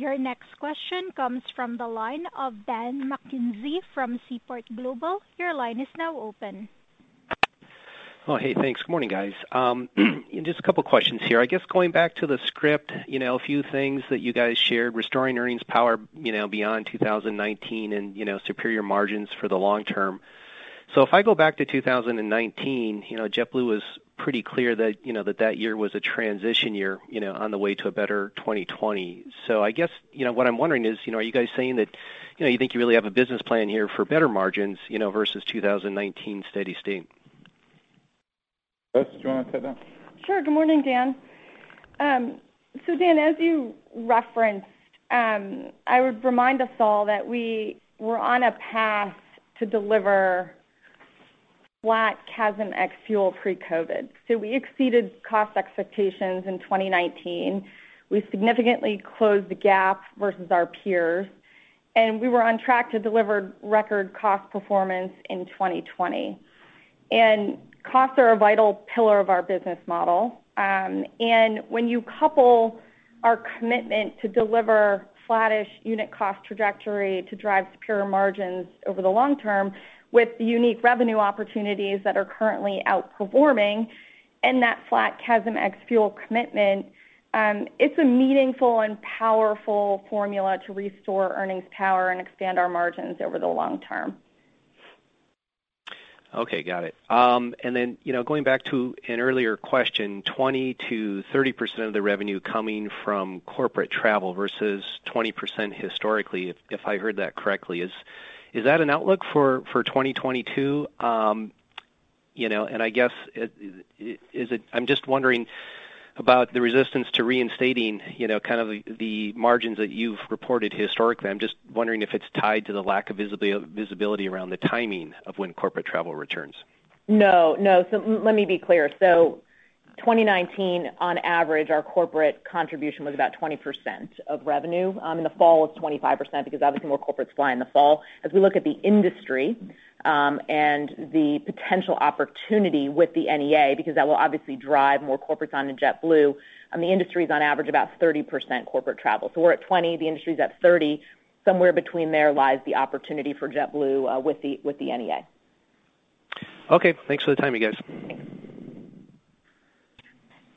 Your next question comes from the line of Dan McKenzie from Seaport Global. Your line is now open. Thanks. Morning, guys. Just a couple questions here. I guess going back to the script, you know, a few things that you guys shared, restoring earnings power, you know, beyond 2019 and, you know, superior margins for the long term. If I go back to 2019, you know, JetBlue was pretty clear that, you know, that year was a transition year, you know, on the way to a better 2020. I guess, you know, what I'm wondering is, you know, are you guys saying that, you know, you think you really have a business plan here for better margins, you know, versus 2019 steady state? Ursula, do you wanna take that? Sure. Good morning, Dan. So, Dan, as you referenced, I would remind us all that we were on a path to deliver flat CASM Ex-Fuel pre-COVID. We exceeded cost expectations in 2019. We significantly closed the gap versus our peers, and we were on track to deliver record cost performance in 2020. Costs are a vital pillar of our business model. When you couple our commitment to deliver flattish unit cost trajectory to drive superior margins over the long term with the unique revenue opportunities that are currently outperforming and that flat CASM Ex-Fuel commitment, it's a meaningful and powerful formula to restore earnings power and expand our margins over the long term. Okay, got it. And then, you know, going back to an earlier question, 20%-30% of the revenue coming from corporate travel versus 20% historically, if I heard that correctly, is that an outlook for 2022? You know, and I guess it is it. I'm just wondering about the resistance to reinstating, you know, kind of the margins that you've reported historically. I'm just wondering if it's tied to the lack of visibility around the timing of when corporate travel returns. No, no. Let me be clear. 2019 on average, our corporate contribution was about 20% of revenue. In the fall it was 25% because obviously more corporates fly in the fall. As we look at the industry, and the potential opportunity with the NEA, because that will obviously drive more corporates onto JetBlue, the industry is on average about 30% corporate travel. We're at 20%, the industry is at 30%, somewhere between there lies the opportunity for JetBlue, with the NEA. Okay, thanks for the time you guys.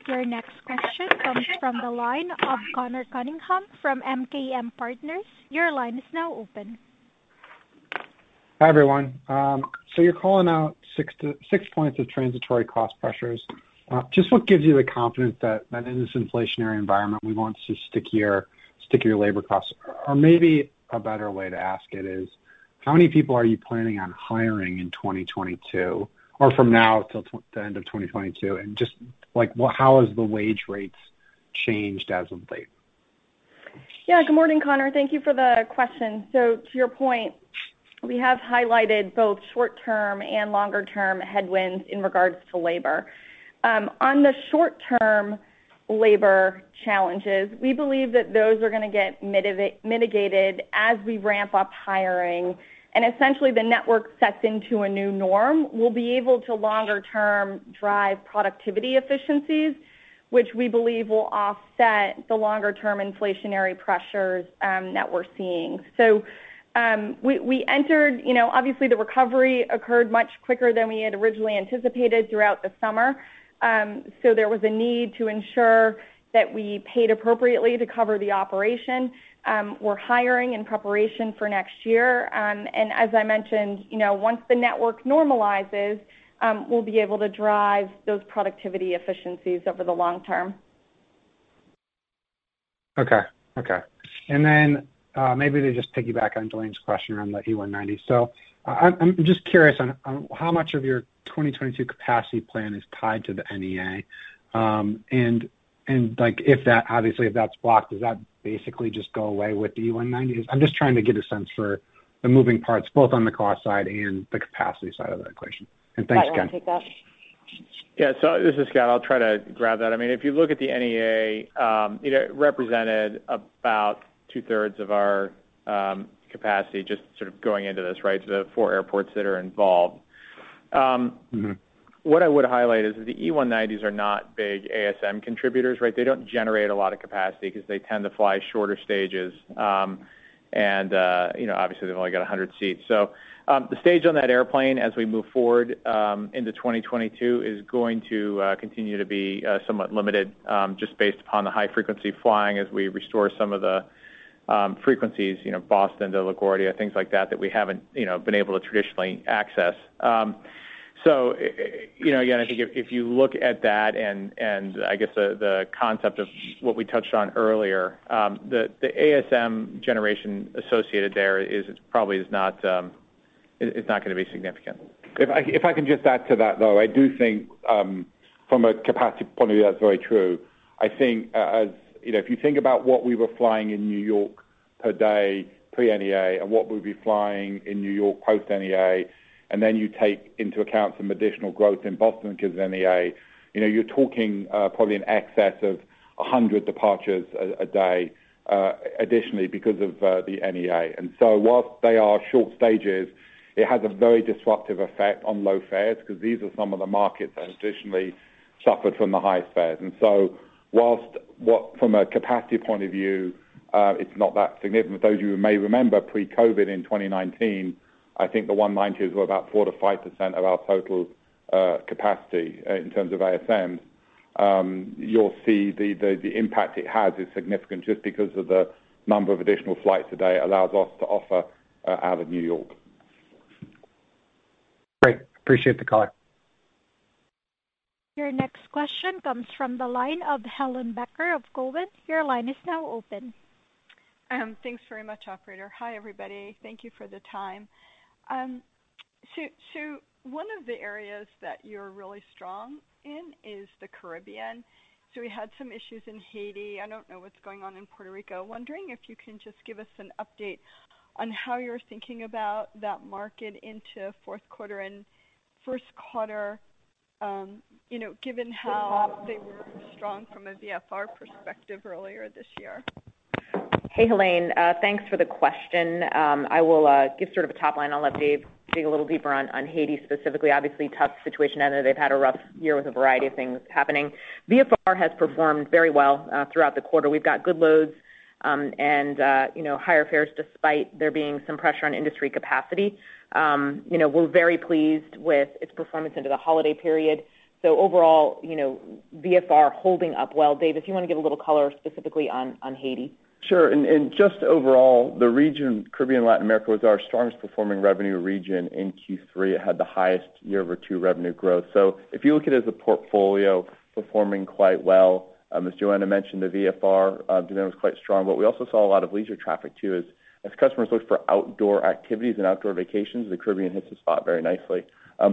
Your next question comes from the line of Conor Cunningham from MKM Partners. Your line is now open. Hi, everyone. You're calling out 6 points of transitory cost pressures. Just what gives you the confidence that in this inflationary environment, we won't see stickier labor costs? Maybe a better way to ask it is how many people are you planning on hiring in 2022 or from now till the end of 2022? Just like, how has the wage rates changed as of late? Yeah, good morning, Conor. Thank you for the question. To your point, we have highlighted both short-term and longer-term headwinds in regards to labor. On the short-term labor challenges, we believe that those are gonna get mitigated as we ramp up hiring, and essentially the network settles into a new norm. We'll be able to longer-term drive productivity efficiencies, which we believe will offset the longer-term inflationary pressures that we're seeing. We entered, you know, obviously the recovery occurred much quicker than we had originally anticipated throughout the summer, so there was a need to ensure that we paid appropriately to cover the operation. We're hiring in preparation for next year. And as I mentioned, you know, once the network normalizes, we'll be able to drive those productivity efficiencies over the long term. Maybe to just piggyback on Joanna's question around the E190. I'm just curious on how much of your 2022 capacity plan is tied to the NEA, and like if that obviously, if that's blocked, does that basically just go away with the E190s? I'm just trying to get a sense for the moving parts, both on the cost side and the capacity side of the equation. Thanks again. Scott, want to take that? This is Scott. I'll try to grab that. I mean, if you look at the NEA, you know, it represented about two-thirds of our capacity just sort of going into this, right? The four airports that are involved. What I would highlight is that the E190s are not big ASM contributors, right? They don't generate a lot of capacity because they tend to fly shorter stages, and you know, obviously they've only got 100 seats. The stage on that airplane as we move forward into 2022 is going to continue to be somewhat limited, just based upon the high frequency flying as we restore some of the frequencies, you know, Boston to LaGuardia, things like that that we haven't, you know, been able to traditionally access. You know, again, I think if you look at that and I guess the concept of what we touched on earlier, the ASM generation associated there is probably not It's not gonna be significant. If I can just add to that, though, I do think from a capacity point of view, that's very true. I think as you know, if you think about what we were flying in New York per day pre-NEA and what we'll be flying in New York post-NEA, and then you take into account some additional growth in Boston because of NEA, you know, you're talking probably in excess of 100 departures a day additionally because of the NEA. Whilst they are short stages, it has a very disruptive effect on low fares 'cause these are some of the markets that traditionally suffered from the highest fares. While from a capacity point of view, it's not that significant, though you may remember pre-COVID in 2019, I think the E190 was about 4%-5% of our total capacity in terms of ASM. You'll see the impact it has is significant just because of the number of additional flights a day allows us to offer out of New York. Great, appreciate the color. Your next question comes from the line of Helane Becker of Cowen. Your line is now open. Thanks very much, operator. Hi, everybody. Thank you for the time. One of the areas that you're really strong in is the Caribbean. We had some issues in Haiti. I don't know what's going on in Puerto Rico. I'm wondering if you can just give us an update on how you're thinking about that market into fourth quarter and first quarter, you know, given how they were strong from a VFR perspective earlier this year. Hey, Helane, thanks for the question. I will give sort of a top line. I'll let Dave dig a little deeper on Haiti specifically. Obviously, tough situation down there. They've had a rough year with a variety of things happening. VFR has performed very well throughout the quarter. We've got good loads, and you know, higher fares despite there being some pressure on industry capacity. You know, we're very pleased with its performance into the holiday period. Overall, you know, VFR holding up well. Dave, if you want to give a little color specifically on Haiti? Sure. Just overall, the region, Caribbean, Latin America, was our strongest performing revenue region in Q3. It had the highest year-over-year revenue growth. If you look at it as a portfolio performing quite well, as Joanna mentioned, the VFR demand was quite strong. We also saw a lot of leisure traffic too as customers look for outdoor activities and outdoor vacations, the Caribbean hits the spot very nicely.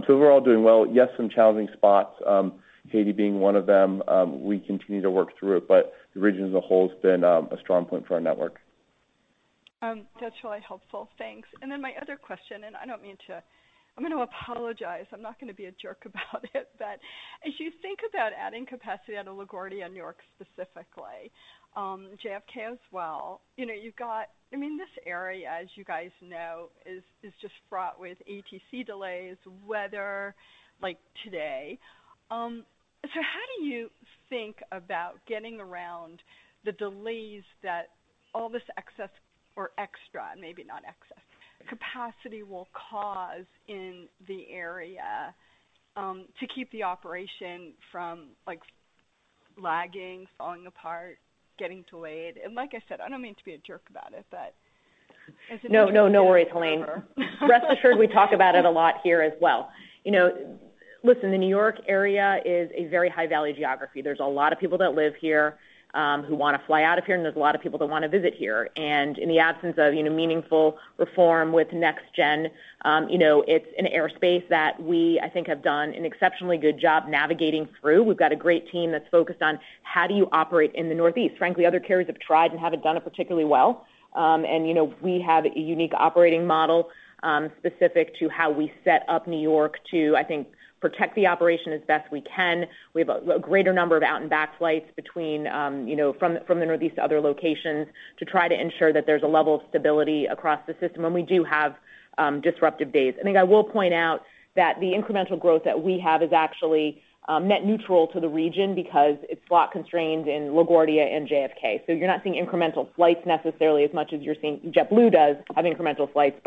We're all doing well. Yes, some challenging spots, Haiti being one of them. We continue to work through it, but the region as a whole has been a strong point for our network. That's really helpful, thanks. Then my other question, and I don't mean to. I'm gonna apologize. I'm not gonna be a jerk about it, but as you think about adding capacity out of LaGuardia, New York, specifically, JFK as well, you know, you've got. I mean, this area, as you guys know, is just fraught with ATC delays, weather, like today. So how do you think about getting around the delays that all this excess or extra, maybe not excess, capacity will cause in the area, to keep the operation from, like, lagging, falling apart, getting delayed? Like I said, I don't mean to be a jerk about it, but- No, no worries, Helane. Rest assured we talk about it a lot here as well. You know, listen, the New York area is a very high-value geography. There's a lot of people that live here, who wanna fly out of here, and there's a lot of people that wanna visit here. In the absence of, you know, meaningful reform with NextGen, you know, it's an airspace that we, I think, have done an exceptionally good job navigating through. We've got a great team that's focused on how do you operate in the Northeast. Frankly, other carriers have tried and haven't done it particularly well. You know, we have a unique operating model, specific to how we set up New York to, I think, protect the operation as best we can. We have a greater number of out and back flights from the Northeast to other locations to try to ensure that there's a level of stability across the system when we do have disruptive days. I think I will point out that the incremental growth that we have is actually net neutral to the region because it's slot constrained in LaGuardia and JFK. You're not seeing incremental flights necessarily as much as you're seeing JetBlue does have incremental flights.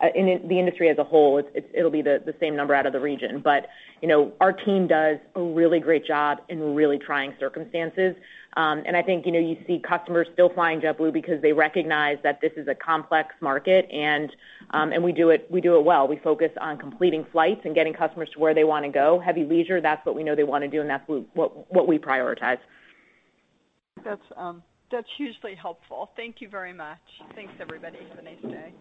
The industry as a whole, it'll be the same number out of the region. Our team does a really great job in really trying circumstances. I think, you know, you see customers still flying JetBlue because they recognize that this is a complex market and we do it well. We focus on completing flights and getting customers to where they wanna go. Heavy leisure, that's what we know they wanna do, and that's what we prioritize. That's hugely helpful. Thank you very much. Thanks, everybody. Have a nice day.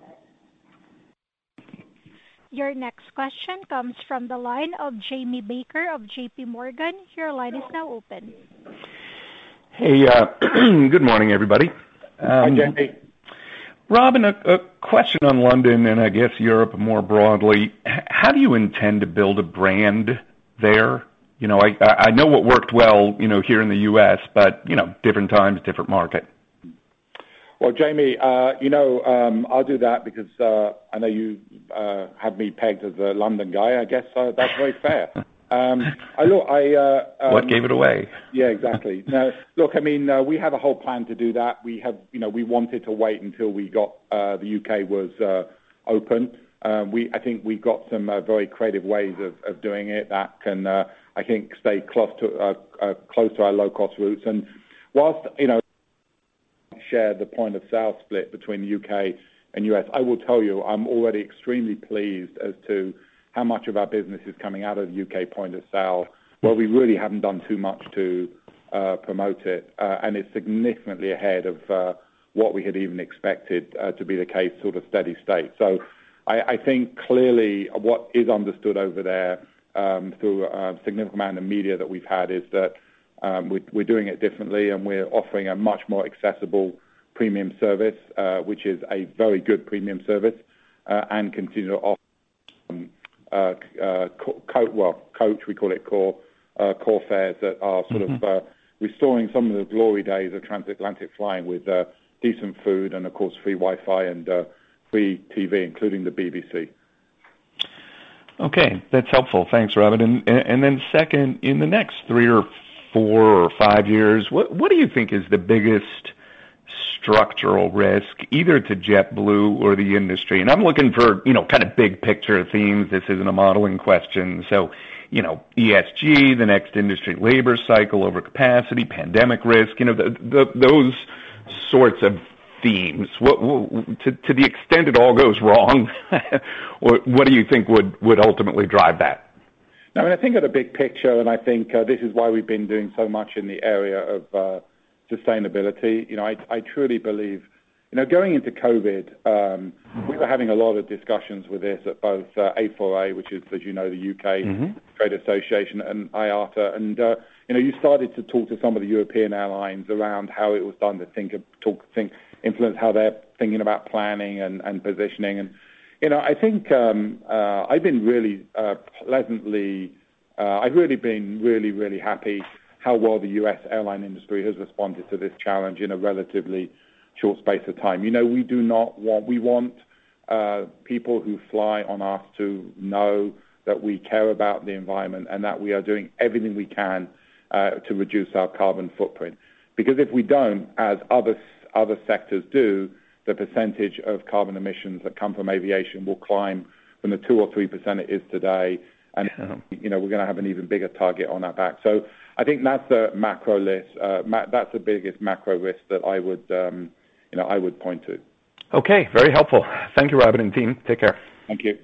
Your next question comes from the line of Jamie Baker of JPMorgan. Your line is now open. Hey, good morning, everybody. Hi, Jamie. Robin, a question on London and I guess Europe more broadly. How do you intend to build a brand there? You know, I know what worked well, you know, here in the U.S., but, you know, different times, different market. Well, Jamie, you know, I'll do that because I know you have me pegged as a London guy, I guess, so that's very fair. What gave it away? Yeah, exactly. No, look, I mean, we have a whole plan to do that. We have, you know, we wanted to wait until the U.K. was open. I think we got some very creative ways of doing it that can, I think, stay close to our low-cost routes while, you know, we share the point of sale split between U.K. and U.S. I will tell you, I'm already extremely pleased as to how much of our business is coming out of U.K. point of sale, where we really haven't done too much to promote it. It's significantly ahead of what we had even expected to be the case, sort of steady-state. I think clearly what is understood over there through a significant amount of media that we've had is that we're doing it differently, and we're offering a much more accessible premium service, which is a very good premium service, and continue to offer coach, we call it core fares that are sort of restoring some of the glory days of transatlantic flying with decent food and of course, free Wi-Fi and free TV, including the BBC. Okay, that's helpful. Thanks, Robin. Then second, in the next three, four, or five years, what do you think is the biggest structural risk, either to JetBlue or the industry? I'm looking for, you know, kind of big picture themes. This isn't a modeling question. So, you know, ESG, the next industry labor cycle, overcapacity, pandemic risk, you know, those sorts of themes. What to the extent it all goes wrong, what do you think would ultimately drive that? No, I mean, I think of the big picture, and I think this is why we've been doing so much in the area of sustainability. You know, I truly believe. You know, going into COVID, we were having a lot of discussions with this at both A4A, which is, as you know, the U.K. Trade Association and IATA. You know, you started to talk to some of the European airlines around how it was starting to influence how they're thinking about planning and positioning. You know, I think I've been really happy how well the U.S. airline industry has responded to this challenge in a relatively short space of time. You know, we want people who fly on us to know that we care about the environment and that we are doing everything we can to reduce our carbon footprint. Because if we don't, as other sectors do, the percentage of carbon emissions that come from aviation will climb from the 2% or 3% it is today, and you know, we're gonna have an even bigger target on our back. So I think that's the macro risk. That's the biggest macro risk that I would point to. Okay, very helpful. Thank you, Robin and team. Take care. Thank you.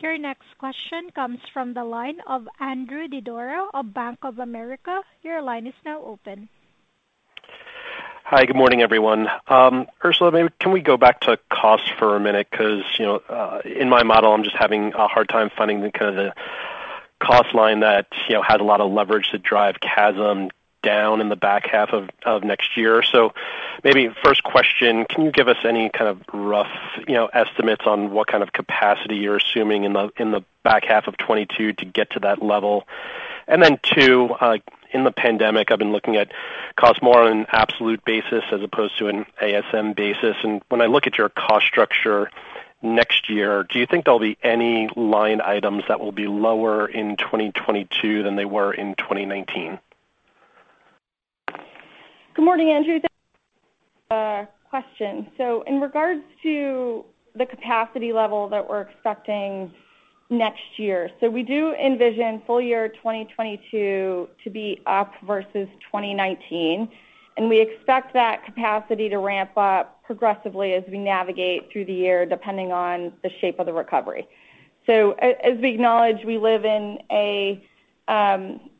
Your next question comes from the line of Andrew Didora of Bank of America. Your line is now open. Hi, good morning, everyone. Ursula, maybe can we go back to cost for a minute? 'Cause, you know, in my model, I'm just having a hard time finding the kind of cost line that, you know, has a lot of leverage to drive CASM down in the back half of next year. Maybe first question, can you give us any kind of rough, you know, estimates on what kind of capacity you're assuming in the back half of 2022 to get to that level? Two, in the pandemic, I've been looking at cost more on an absolute basis as opposed to an ASM basis. When I look at your cost structure next year, do you think there'll be any line items that will be lower in 2022 than they were in 2019? Good morning, Andrew. Thanks for the question. In regards to the capacity level that we're expecting next year, we do envision full year 2022 to be up versus 2019, and we expect that capacity to ramp up progressively as we navigate through the year, depending on the shape of the recovery. As we acknowledge, we live in a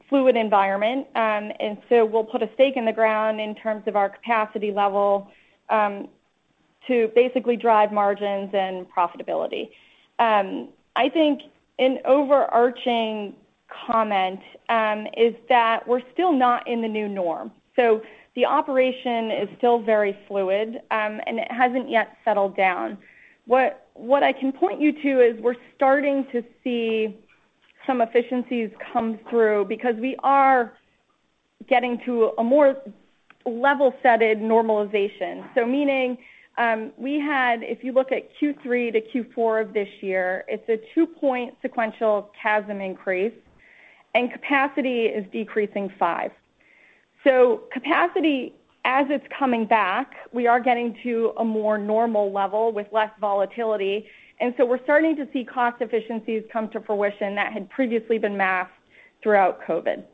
fluid environment, and we'll put a stake in the ground in terms of our capacity level to basically drive margins and profitability. I think an overarching comment is that we're still not in the new norm. The operation is still very fluid, and it hasn't yet settled down. What I can point you to is we're starting to see some efficiencies come through because we are getting to a more level-setted normalization. Meaning, we had, if you look at Q3 to Q4 of this year, it's a 2-point sequential CASM increase, and capacity is decreasing 5%. Capacity, as it's coming back, we are getting to a more normal level with less volatility, and so we're starting to see cost efficiencies come to fruition that had previously been masked throughout COVID.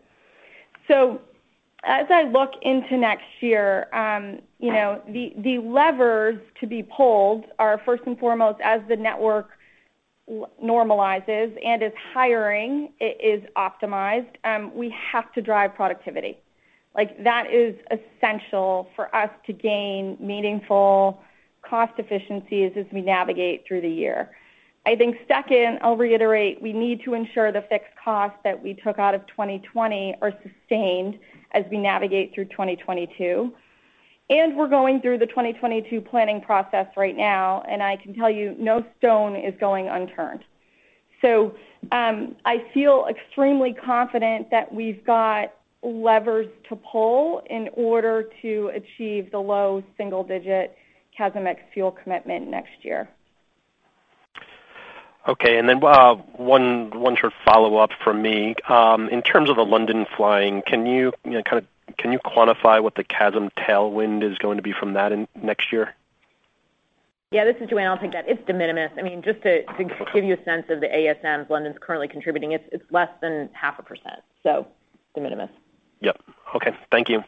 As I look into next year, you know, the levers to be pulled are first and foremost, as the network normalizes and is hiring, it is optimized, we have to drive productivity. Like, that is essential for us to gain meaningful cost efficiencies as we navigate through the year. I think second, I'll reiterate, we need to ensure the fixed costs that we took out of 2020 are sustained as we navigate through 2022. We're going through the 2022 planning process right now, and I can tell you, no stone is going unturned. I feel extremely confident that we've got levers to pull in order to achieve the low single-digit CASM Ex-Fuel commitment next year. Okay. One short follow-up from me. In terms of the London flying, can you quantify what the CASM tailwind is going to be from that in next year? Yeah, this is Joanna. I'll take that. It's de minimis. I mean, just to give you a sense of the ASMs London's currently contributing, it's less than 0.5%, so de minimis. Yep. Okay, thank you.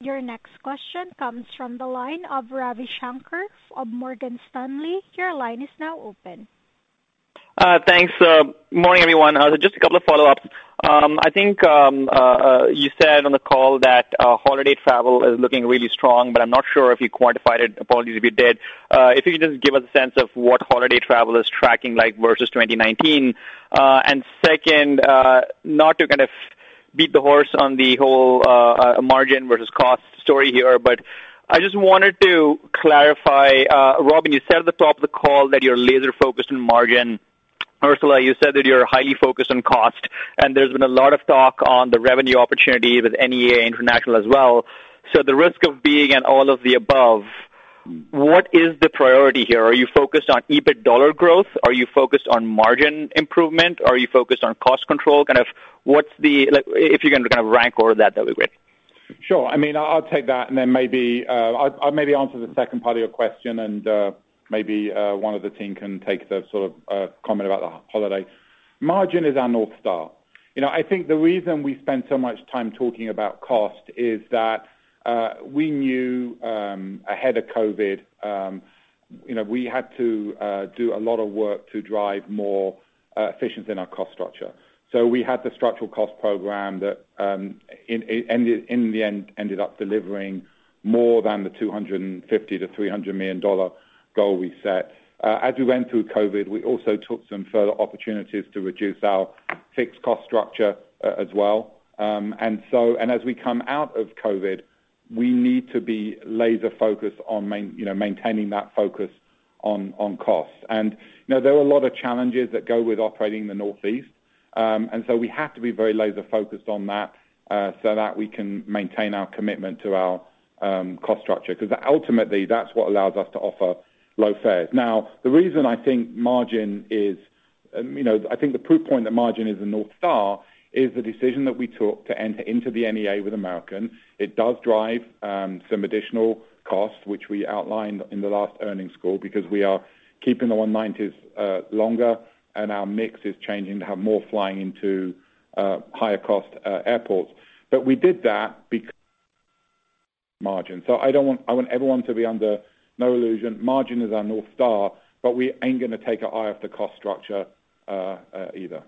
Your next question comes from the line of Ravi Shanker of Morgan Stanley. Your line is now open. Thanks. Morning, everyone. Just a couple of follow-ups. I think you said on the call that holiday travel is looking really strong, but I'm not sure if you quantified it. Apologies if you did. If you can just give us a sense of what holiday travel is tracking like versus 2019? Second, not to kind of beat the horse on the whole margin versus cost story here, but I just wanted to clarify. Robin, you said at the top of the call that you're laser-focused on margin. Ursula, you said that you're highly focused on cost, and there's been a lot of talk on the revenue opportunity with NEA International as well. At the risk of being an all of the above, what is the priority here? Are you focused on EBIT dollar growth? Are you focused on margin improvement? Are you focused on cost control? Kind of, what's the like, if you can kind of rank order that'd be great. Sure. I mean, I'll take that and then maybe I'll maybe answer the second part of your question and maybe one of the team can take the sort of comment about the holiday. Margin is our North Star. You know, I think the reason we spend so much time talking about cost is that we knew ahead of COVID you know we had to do a lot of work to drive more efficiency in our cost structure. So we had the structural cost program that it ended up delivering more than the $250 million-$300 million goal we set. As we went through COVID, we also took some further opportunities to reduce our fixed cost structure as well. As we come out of COVID, we need to be laser-focused on, you know, maintaining that focus on costs. You know, there are a lot of challenges that go with operating in the Northeast, and we have to be very laser-focused on that, so that we can maintain our commitment to our cost structure, because ultimately, that's what allows us to offer low fares. Now, the reason I think margin is, you know, I think the proof point that margin is a North Star is the decision that we took to enter into the NEA with American. It does drive some additional costs, which we outlined in the last earnings call because we are keeping the E190s longer and our mix is changing to have more flying into higher cost airports. We did that because margin. I want everyone to be under no illusion. Margin is our North Star, but we ain't gonna take our eye off the cost structure, either.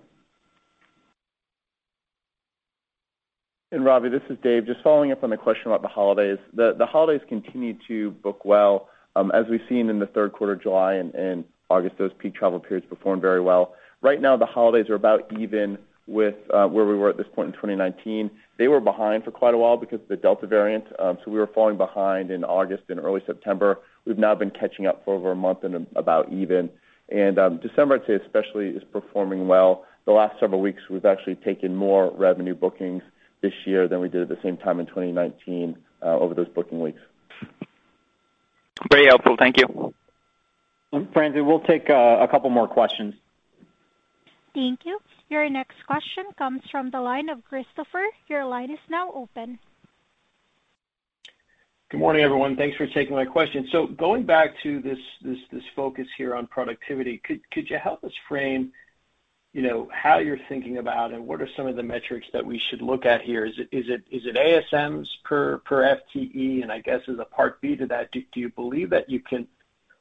Ravi, this is Dave. Just following up on the question about the holidays. The holidays continue to book well. As we've seen in the third quarter, July and August, those peak travel periods performed very well. Right now, the holidays are about even with where we were at this point in 2019. They were behind for quite a while because of the Delta variant. We were falling behind in August and early September. We've now been catching up for over a month and about even. December, I'd say especially, is performing well. The last several weeks, we've actually taken more revenue bookings this year than we did at the same time in 2019, over those booking weeks. Very helpful, thank you. Francie, we'll take a couple more questions. Thank you. Your next question comes from the line of Christopher. Your line is now open. Good morning, everyone. Thanks for taking my question. Going back to this focus here on productivity, could you help us frame, you know, how you're thinking about and what are some of the metrics that we should look at here? Is it ASMs per FTE? I guess as a part B to that, do you believe that you can,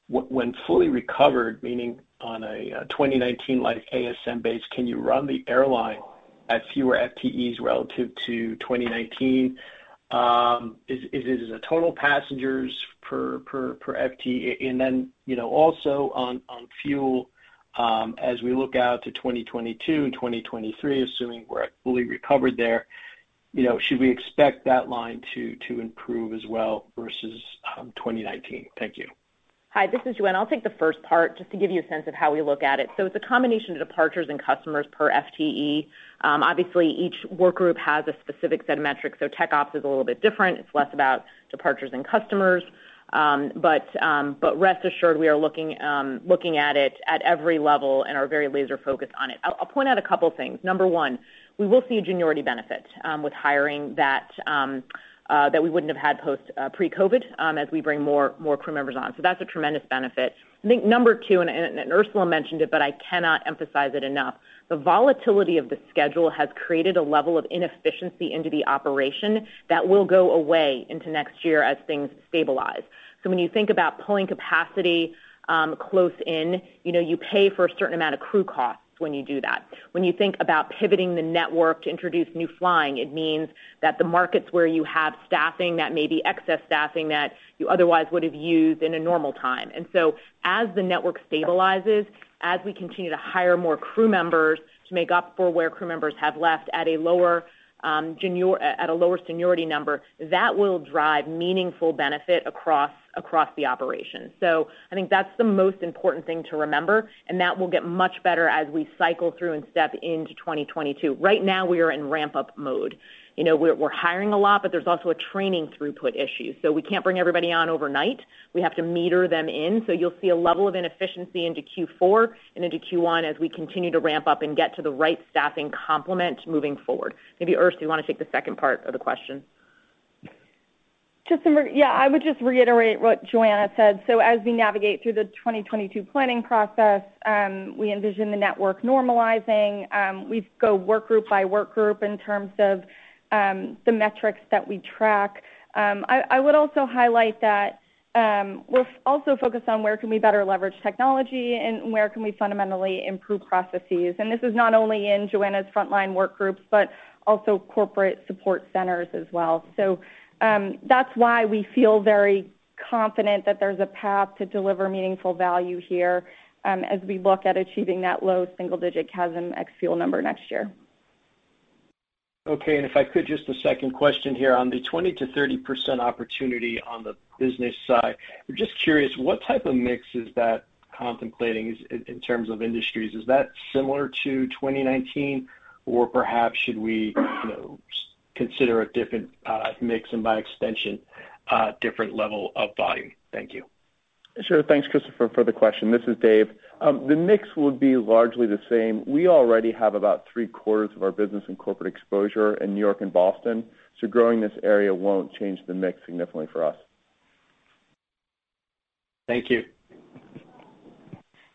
when fully recovered, meaning on a 2019-like ASM base, can you run the airline at fewer FTEs relative to 2019? Is it a total passengers per FTE? You know, also on fuel, as we look out to 2022 and 2023, assuming we're fully recovered there, you know, should we expect that line to improve as well versus 2019? Thank you. Hi, this is Joanna. I'll take the first part just to give you a sense of how we look at it. It's a combination of departures and customers per FTE. Obviously each work group has a specific set of metrics, so tech ops is a little bit different. It's less about departures and customers. But rest assured, we are looking at it at every level and are very laser-focused on it. I'll point out a couple things. Number one, we will see a seniority benefit with hiring that we wouldn't have had pre-COVID as we bring more crew members on. That's a tremendous benefit. I think number two, and Ursula mentioned it, but I cannot emphasize it enough, the volatility of the schedule has created a level of inefficiency into the operation that will go away into next year as things stabilize. When you think about pulling capacity, close in, you know, you pay for a certain amount of crew costs when you do that. When you think about pivoting the network to introduce new flying, it means that the markets where you have staffing, that may be excess staffing that you otherwise would have used in a normal time. As the network stabilizes, as we continue to hire more crew members to make up for where crew members have left at a lower seniority number, that will drive meaningful benefit across the operation. I think that's the most important thing to remember, and that will get much better as we cycle through and step into 2022. Right now, we are in ramp-up mode. You know, we're hiring a lot, but there's also a training throughput issue. We can't bring everybody on overnight. We have to meter them in. You'll see a level of inefficiency into Q4 and into Q1 as we continue to ramp up and get to the right staffing complement moving forward. Maybe Ursula, do you wanna take the second part of the question? I would just reiterate what Joanna said. As we navigate through the 2022 planning process, we envision the network normalizing. We go work group by work group in terms of the metrics that we track. I would also highlight that we're also focused on where can we better leverage technology and where can we fundamentally improve processes. This is not only in Joanna's frontline work groups, but also corporate support centers as well. That's why we feel very confident that there's a path to deliver meaningful value here, as we look at achieving that low single digit CASM Ex-Fuel number next year. Okay. If I could, just a second question here. On the 20%-30% opportunity on the business side, I'm just curious what type of mix is that contemplating in terms of industries? Is that similar to 2019? Or perhaps should we, you know, consider a different mix and by extension, different level of volume? Thank you. Sure. Thanks, Christopher, for the question. This is Dave. The mix would be largely the same. We already have about three quarters of our business and corporate exposure in New York and Boston, so growing this area won't change the mix significantly for us. Thank you.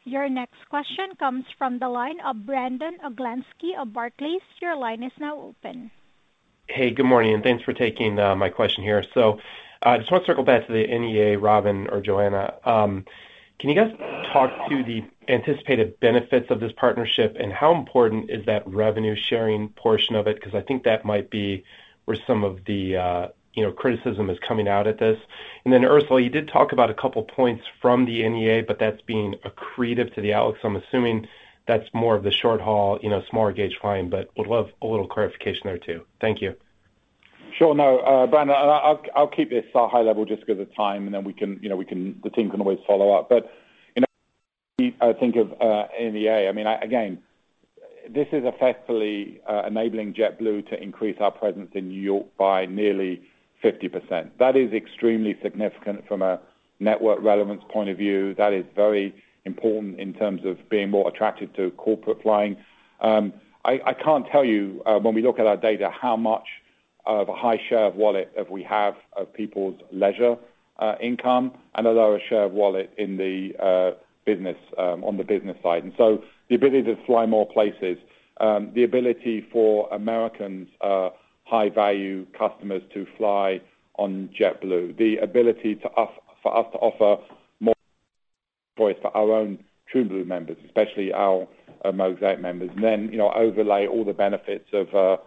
Your next question comes from the line of Brandon Oglenski of Barclays. Your line is now open. Hey, good morning, and thanks for taking my question here. I just want to circle back to the NEA, Robin or Joanna. Can you guys talk to the anticipated benefits of this partnership and how important is that revenue sharing portion of it? 'Cause I think that might be where some of the, you know, criticism is coming out at this. Then, Ursula, you did talk about a couple points from the NEA, but that's being accretive to the EPS. I'm assuming that's more of the short haul, you know, smaller gauge flying, but would love a little clarification there too. Thank you. Sure. No, Brandon, I'll keep this high level just 'cause of time, and then we can, you know, the team can always follow up. But, you know, I think of NEA, I mean, again, this is effectively enabling JetBlue to increase our presence in New York by nearly 50%. That is extremely significant from a network relevance point of view. That is very important in terms of being more attractive to corporate flying. I can't tell you, when we look at our data, how much of a high share of wallet that we have of people's leisure income and a lower share of wallet in the business on the business side. The ability to fly more places, the ability for Americans, high value customers to fly on JetBlue, the ability for us to offer more choice for our own TrueBlue members, especially our Mosaic members. You know, overlay all the benefits of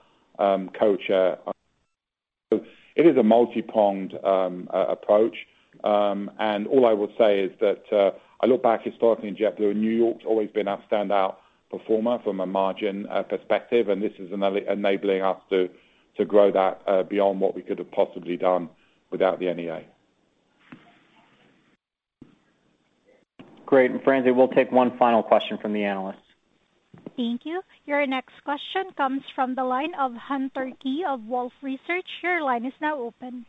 culture. It is a multi-pronged approach. All I will say is that I look back historically in JetBlue, and New York's always been our standout performer from a margin perspective, and this is enabling us to grow that beyond what we could have possibly done without the NEA. Great. Francie, we'll take one final question from the analyst. Thank you. Your next question comes from the line of Hunter Keay of Wolfe Research. Your line is now open.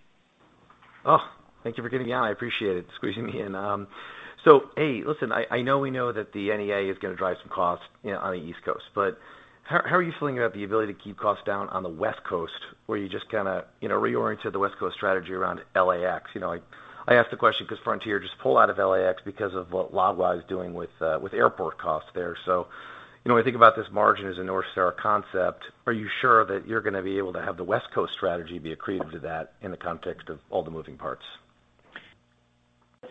Thank you for getting on. I appreciate it, squeezing me in. I know we know that the NEA is gonna drive some costs, you know, on the East Coast. How are you feeling about the ability to keep costs down on the West Coast, where you just kind of, you know, reoriented the West Coast strategy around LAX? You know, I ask the question 'cause Frontier just pull out of LAX because of what LAWA is doing with airport costs there. So, you know, when we think about this margin as a North Star concept, are you sure that you're gonna be able to have the West Coast strategy be accretive to that in the context of all the moving parts?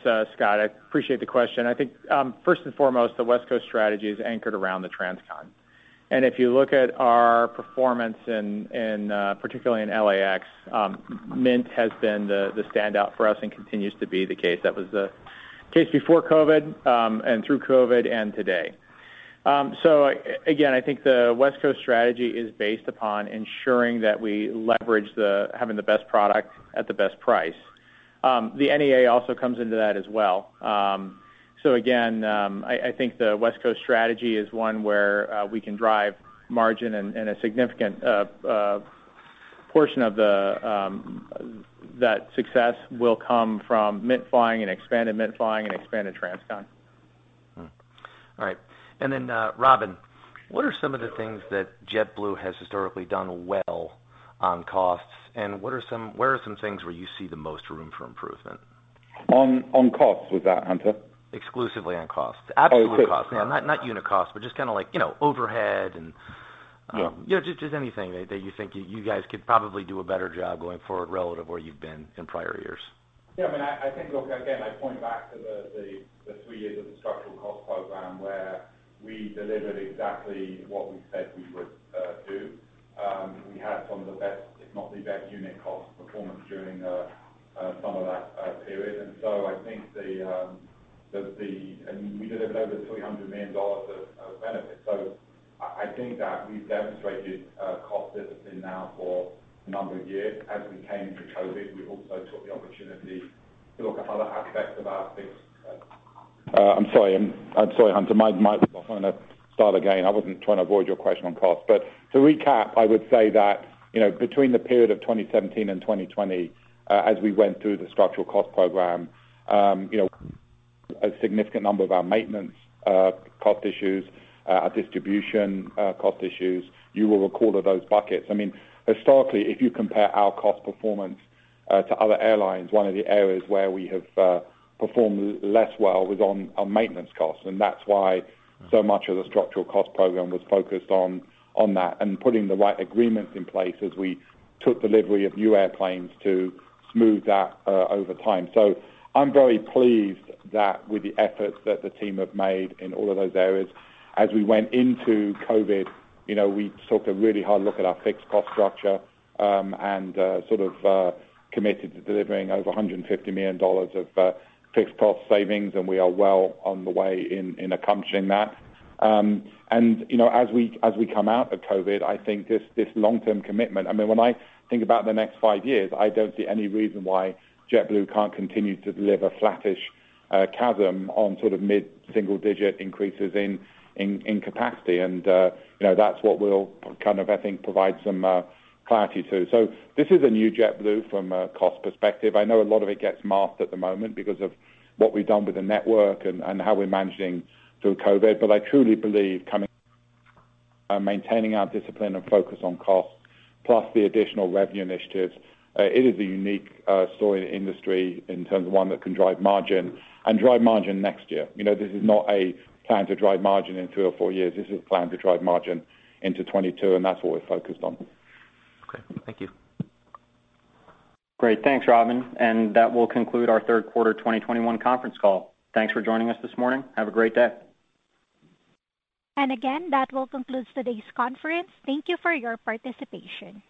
Hunter, I appreciate the question. I think first and foremost, the West Coast strategy is anchored around the transcon. If you look at our performance in particularly in LAX, Mint has been the standout for us and continues to be the case. That was the case before COVID and through COVID and today. Again, I think the West Coast strategy is based upon ensuring that we leverage the having the best product at the best price. The NEA also comes into that as well. Again, I think the West Coast strategy is one where we can drive margin and a significant portion of that success will come from Mint flying and expanded Mint flying and expanded transcon. All right. Robin, what are some of the things that JetBlue has historically done well on costs, and where are some things where you see the most room for improvement? On costs with that, Hunter? Exclusively on costs. Absolute costs. Not unit costs, but just kinda like, you know, overhead and you know, just anything that you think you guys could probably do a better job going forward relative where you've been in prior years. Yeah, I mean, I think, look, again, I point back to the three years of the structural cost program where we delivered exactly what we said we would do. We had some of the best, if not the best unit cost performance during some of that period. So I think the... We delivered over $300 million of benefits. I think that we've demonstrated cost discipline now for a number of years. As we came through COVID, we also took the opportunity to look at other aspects of our fixed... I'm sorry, Hunter. My mic I'm gonna start again. I wasn't trying to avoid your question on cost. To recap, I would say that, you know, between the period of 2017 and 2020, as we went through the structural cost program, you know, a significant number of our maintenance cost issues, our distribution cost issues, you will recall are those buckets. I mean, historically, if you compare our cost performance to other airlines, one of the areas where we have performed less well was on maintenance costs, and that's why so much of the structural cost program was focused on that and putting the right agreements in place as we took delivery of new airplanes to smooth that over time. I'm very pleased that with the efforts that the team have made in all of those areas. As we went into COVID, you know, we took a really hard look at our fixed cost structure, and sort of committed to delivering over $150 million of fixed cost savings, and we are well on the way in accomplishing that. You know, as we come out of COVID, I think this long-term commitment, I mean, when I think about the next five years, I don't see any reason why JetBlue can't continue to deliver flattish CASM on sort of mid-single digit increases in capacity. You know, that's what we'll kind of, I think, provide some clarity to. This is a new JetBlue from a cost perspective. I know a lot of it gets masked at the moment because of what we've done with the network and how we're managing through COVID. I truly believe coming maintaining our discipline and focus on cost, plus the additional revenue initiatives, it is a unique story in the industry in terms of one that can drive margin and drive margin next year. You know, this is not a plan to drive margin in two or four years. This is a plan to drive margin into 2022, and that's what we're focused on. Okay, thank you. Great. Thanks, Robin. That will conclude our third quarter 2021 conference call. Thanks for joining us this morning. Have a great day. Again, that will conclude today's conference. Thank you for your participation.